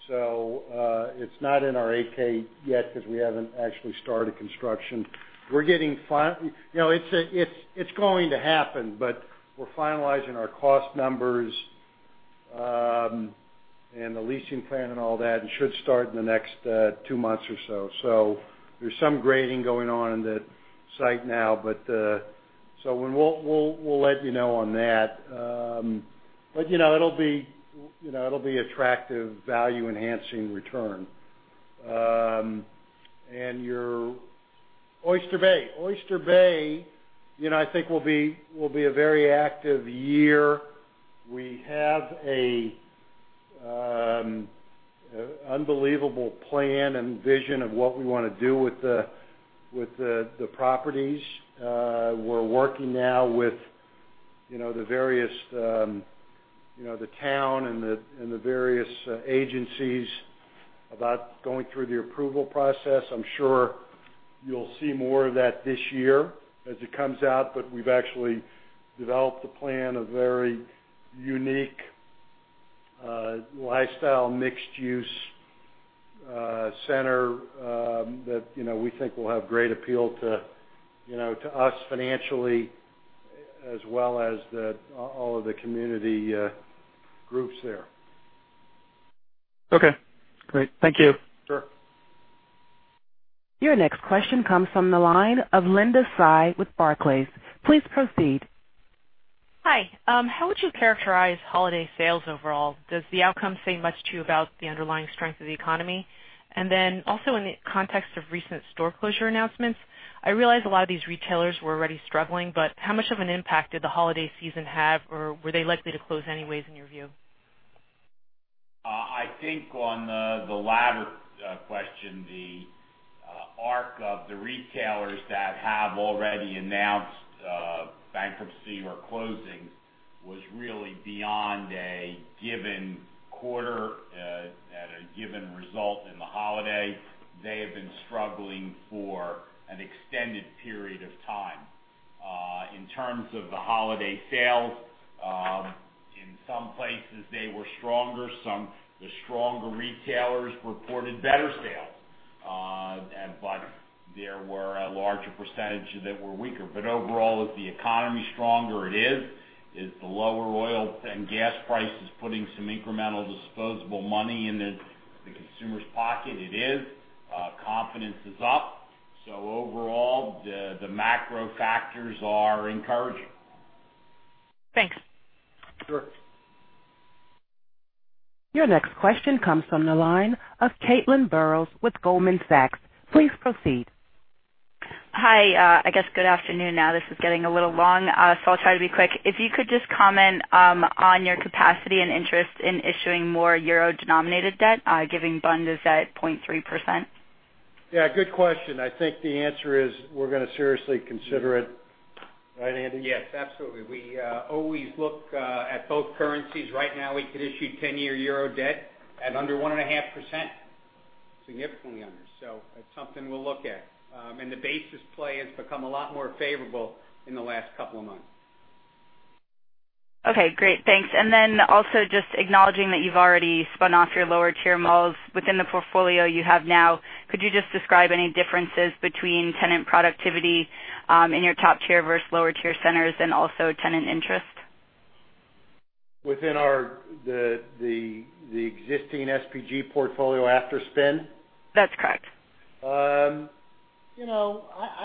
It's not in our 8-K yet because we haven't actually started construction. It's going to happen, but we're finalizing our cost numbers, and the leasing plan and all that. It should start in the next two months or so. There's some grading going on in the site now. We'll let you know on that. It'll be attractive value-enhancing return. Your Oyster Bay. Oyster Bay, I think will be a very active year. We have an unbelievable plan and vision of what we want to do with the properties. We're working now with the town and the various agencies about going through the approval process. I'm sure you'll see more of that this year as it comes out. We've actually developed a plan, a very unique lifestyle, mixed-use center, that we think will have great appeal to us financially as well as all of the community groups there. Okay, great. Thank you. Sure. Your next question comes from the line of Linda Tsai with Barclays. Please proceed. Hi. How would you characterize holiday sales overall? Does the outcome say much to you about the underlying strength of the economy? Then also in the context of recent store closure announcements, I realize a lot of these retailers were already struggling, but how much of an impact did the holiday season have, or were they likely to close anyways in your view? I think on the latter question, the arc of the retailers that have already announced bankruptcy or closings was really beyond a given quarter at a given result in the holiday. They have been struggling for an extended period of time. In terms of the holiday sales, in some places, they were stronger. The stronger retailers reported better sales. There were a larger percentage that were weaker. Overall, is the economy stronger? It is. Is the lower oil and gas prices putting some incremental disposable money in the consumer's pocket? It is. Confidence is up. Overall, the macro factors are encouraging. Thanks. Sure. Your next question comes from the line of Caitlin Burrows with Goldman Sachs. Please proceed. Hi. I guess good afternoon now. This is getting a little long, so I'll try to be quick. If you could just comment on your capacity and interest in issuing more euro-denominated debt, given Bund is at 0.3%. Yeah, good question. I think the answer is we're going to seriously consider it. Right, Andy? Yes, absolutely. We always look at both currencies. Right now, we could issue 10-year euro debt at under 1.5%, significantly under. That's something we'll look at. The basis play has become a lot more favorable in the last couple of months. Okay, great. Thanks. Also just acknowledging that you've already spun off your lower-tier malls within the portfolio you have now, could you just describe any differences between tenant productivity in your top-tier versus lower-tier centers and also tenant interest? Within the existing SPG portfolio after spin? That's correct. I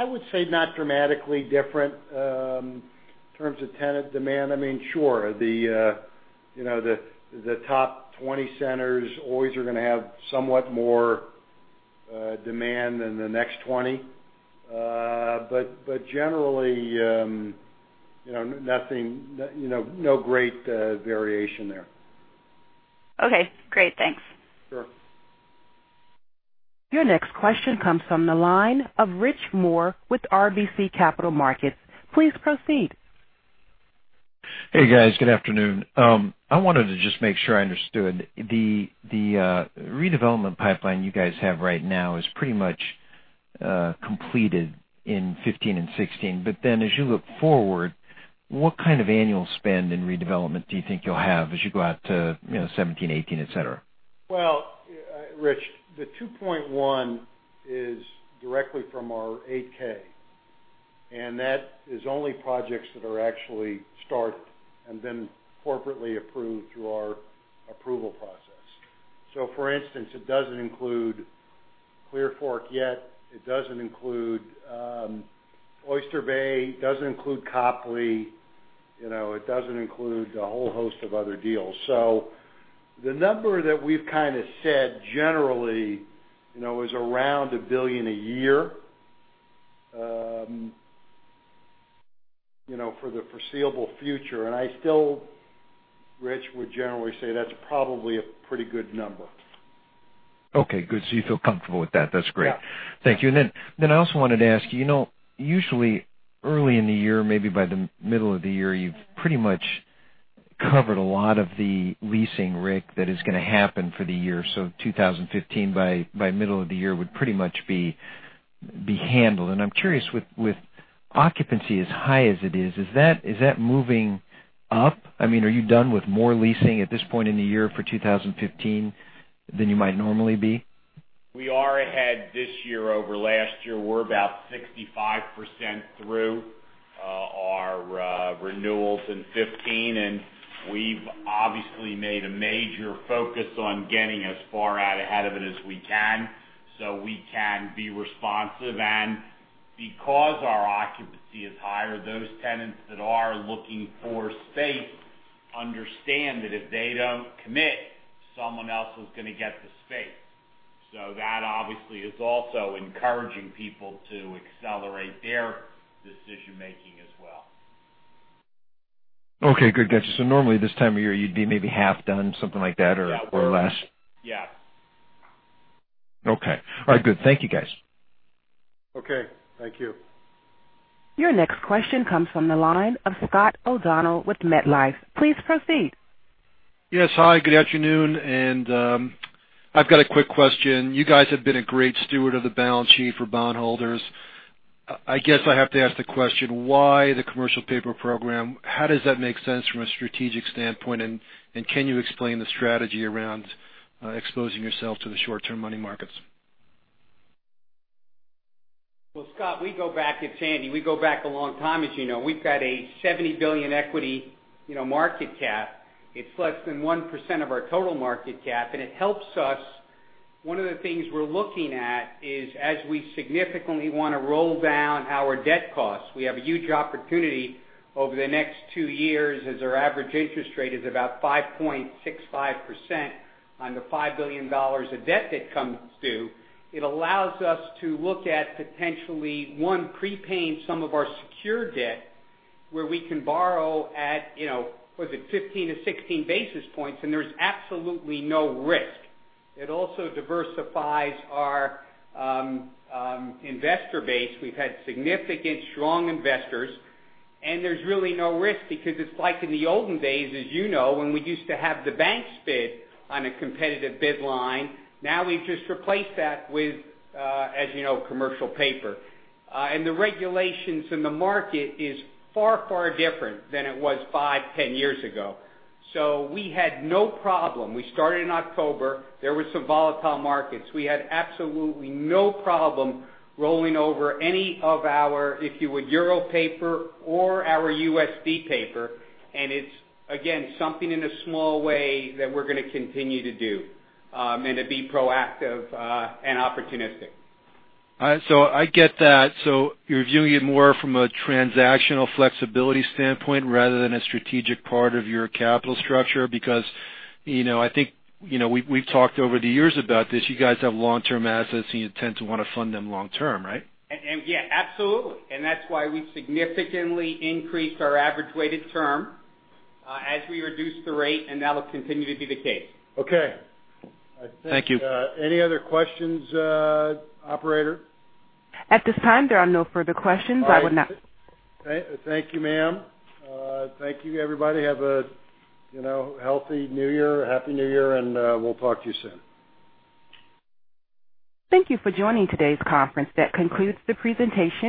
would say not dramatically different, in terms of tenant demand. Sure, the top 20 centers always are going to have somewhat more demand than the next 20. Generally, no great variation there. Okay, great. Thanks. Sure. Your next question comes from the line of Rich Moore with RBC Capital Markets. Please proceed. Hey, guys. Good afternoon. I wanted to just make sure I understood. The redevelopment pipeline you guys have right now is pretty much completed in 2015 and 2016. As you look forward, what kind of annual spend in redevelopment do you think you'll have as you go out to 2017, 2018, et cetera? Well, Rich, the $2.1 is directly from our 8-K, and that is only projects that are actually started and then corporately approved through our approval process. For instance, it doesn't include Clearfork yet. It doesn't include Oyster Bay. It doesn't include Copley. It doesn't include a whole host of other deals. The number that we've said, generally, is around $1 billion a year for the foreseeable future. I still, Rich, would generally say that's probably a pretty good number. Okay, good. You feel comfortable with that. That's great. Yeah. Thank you. I also wanted to ask you, usually early in the year, maybe by the middle of the year, you've pretty much covered a lot of the leasing risk that is going to happen for the year. 2015, by middle of the year, would pretty much be handled. I'm curious with occupancy as high as it is that moving up? Are you done with more leasing at this point in the year for 2015 than you might normally be? We are ahead this year over last year. We're about 65% through our renewals in 2015, and we've obviously made a major focus on getting as far out ahead of it as we can so we can be responsive and Because our occupancy is higher, those tenants that are looking for space understand that if they don't commit, someone else is going to get the space. That obviously is also encouraging people to accelerate their decision-making as well. Okay, good. Gotcha. Normally this time of year, you'd be maybe half done, something like that, or less? Yeah. Okay. All right, good. Thank you, guys. Okay, thank you. Your next question comes from the line of Scott O'Donnell with MetLife. Please proceed. Yes. Hi, good afternoon. I've got a quick question. You guys have been a great steward of the balance sheet for bondholders. I guess I have to ask the question, why the commercial paper program? How does that make sense from a strategic standpoint? Can you explain the strategy around exposing yourself to the short-term money markets? Well, Scott, we go back, it's Andy, we go back a long time, as you know. We've got a $70 billion equity market cap. It's less than 1% of our total market cap. It helps us. One of the things we're looking at is as we significantly want to roll down our debt costs, we have a huge opportunity over the next two years as our average interest rate is about 5.65% on the $5 billion of debt that comes due. It allows us to look at potentially, one, prepaying some of our secured debt where we can borrow at, was it 15 to 16 basis points, there's absolutely no risk. It also diversifies our investor base. We've had significant strong investors, there's really no risk because it's like in the olden days, as you know, when we used to have the banks bid on a competitive bid line, now we've just replaced that with, as you know, commercial paper. The regulations in the market is far, far different than it was five, 10 years ago. We had no problem. We started in October. There were some volatile markets. We had absolutely no problem rolling over any of our, if you would, EUR paper or our USD paper. It's, again, something in a small way that we're going to continue to do, to be proactive, and opportunistic. All right. I get that. You're viewing it more from a transactional flexibility standpoint rather than a strategic part of your capital structure because I think we've talked over the years about this. You guys have long-term assets, you tend to want to fund them long term, right? Yeah, absolutely. That's why we've significantly increased our average weighted term as we reduce the rate, and that'll continue to be the case. Okay. Thank you. Any other questions, operator? At this time, there are no further questions. All right. Thank you, ma'am. Thank you, everybody. Have a healthy new year, happy new year, and we'll talk to you soon. Thank you for joining today's conference. That concludes the presentation.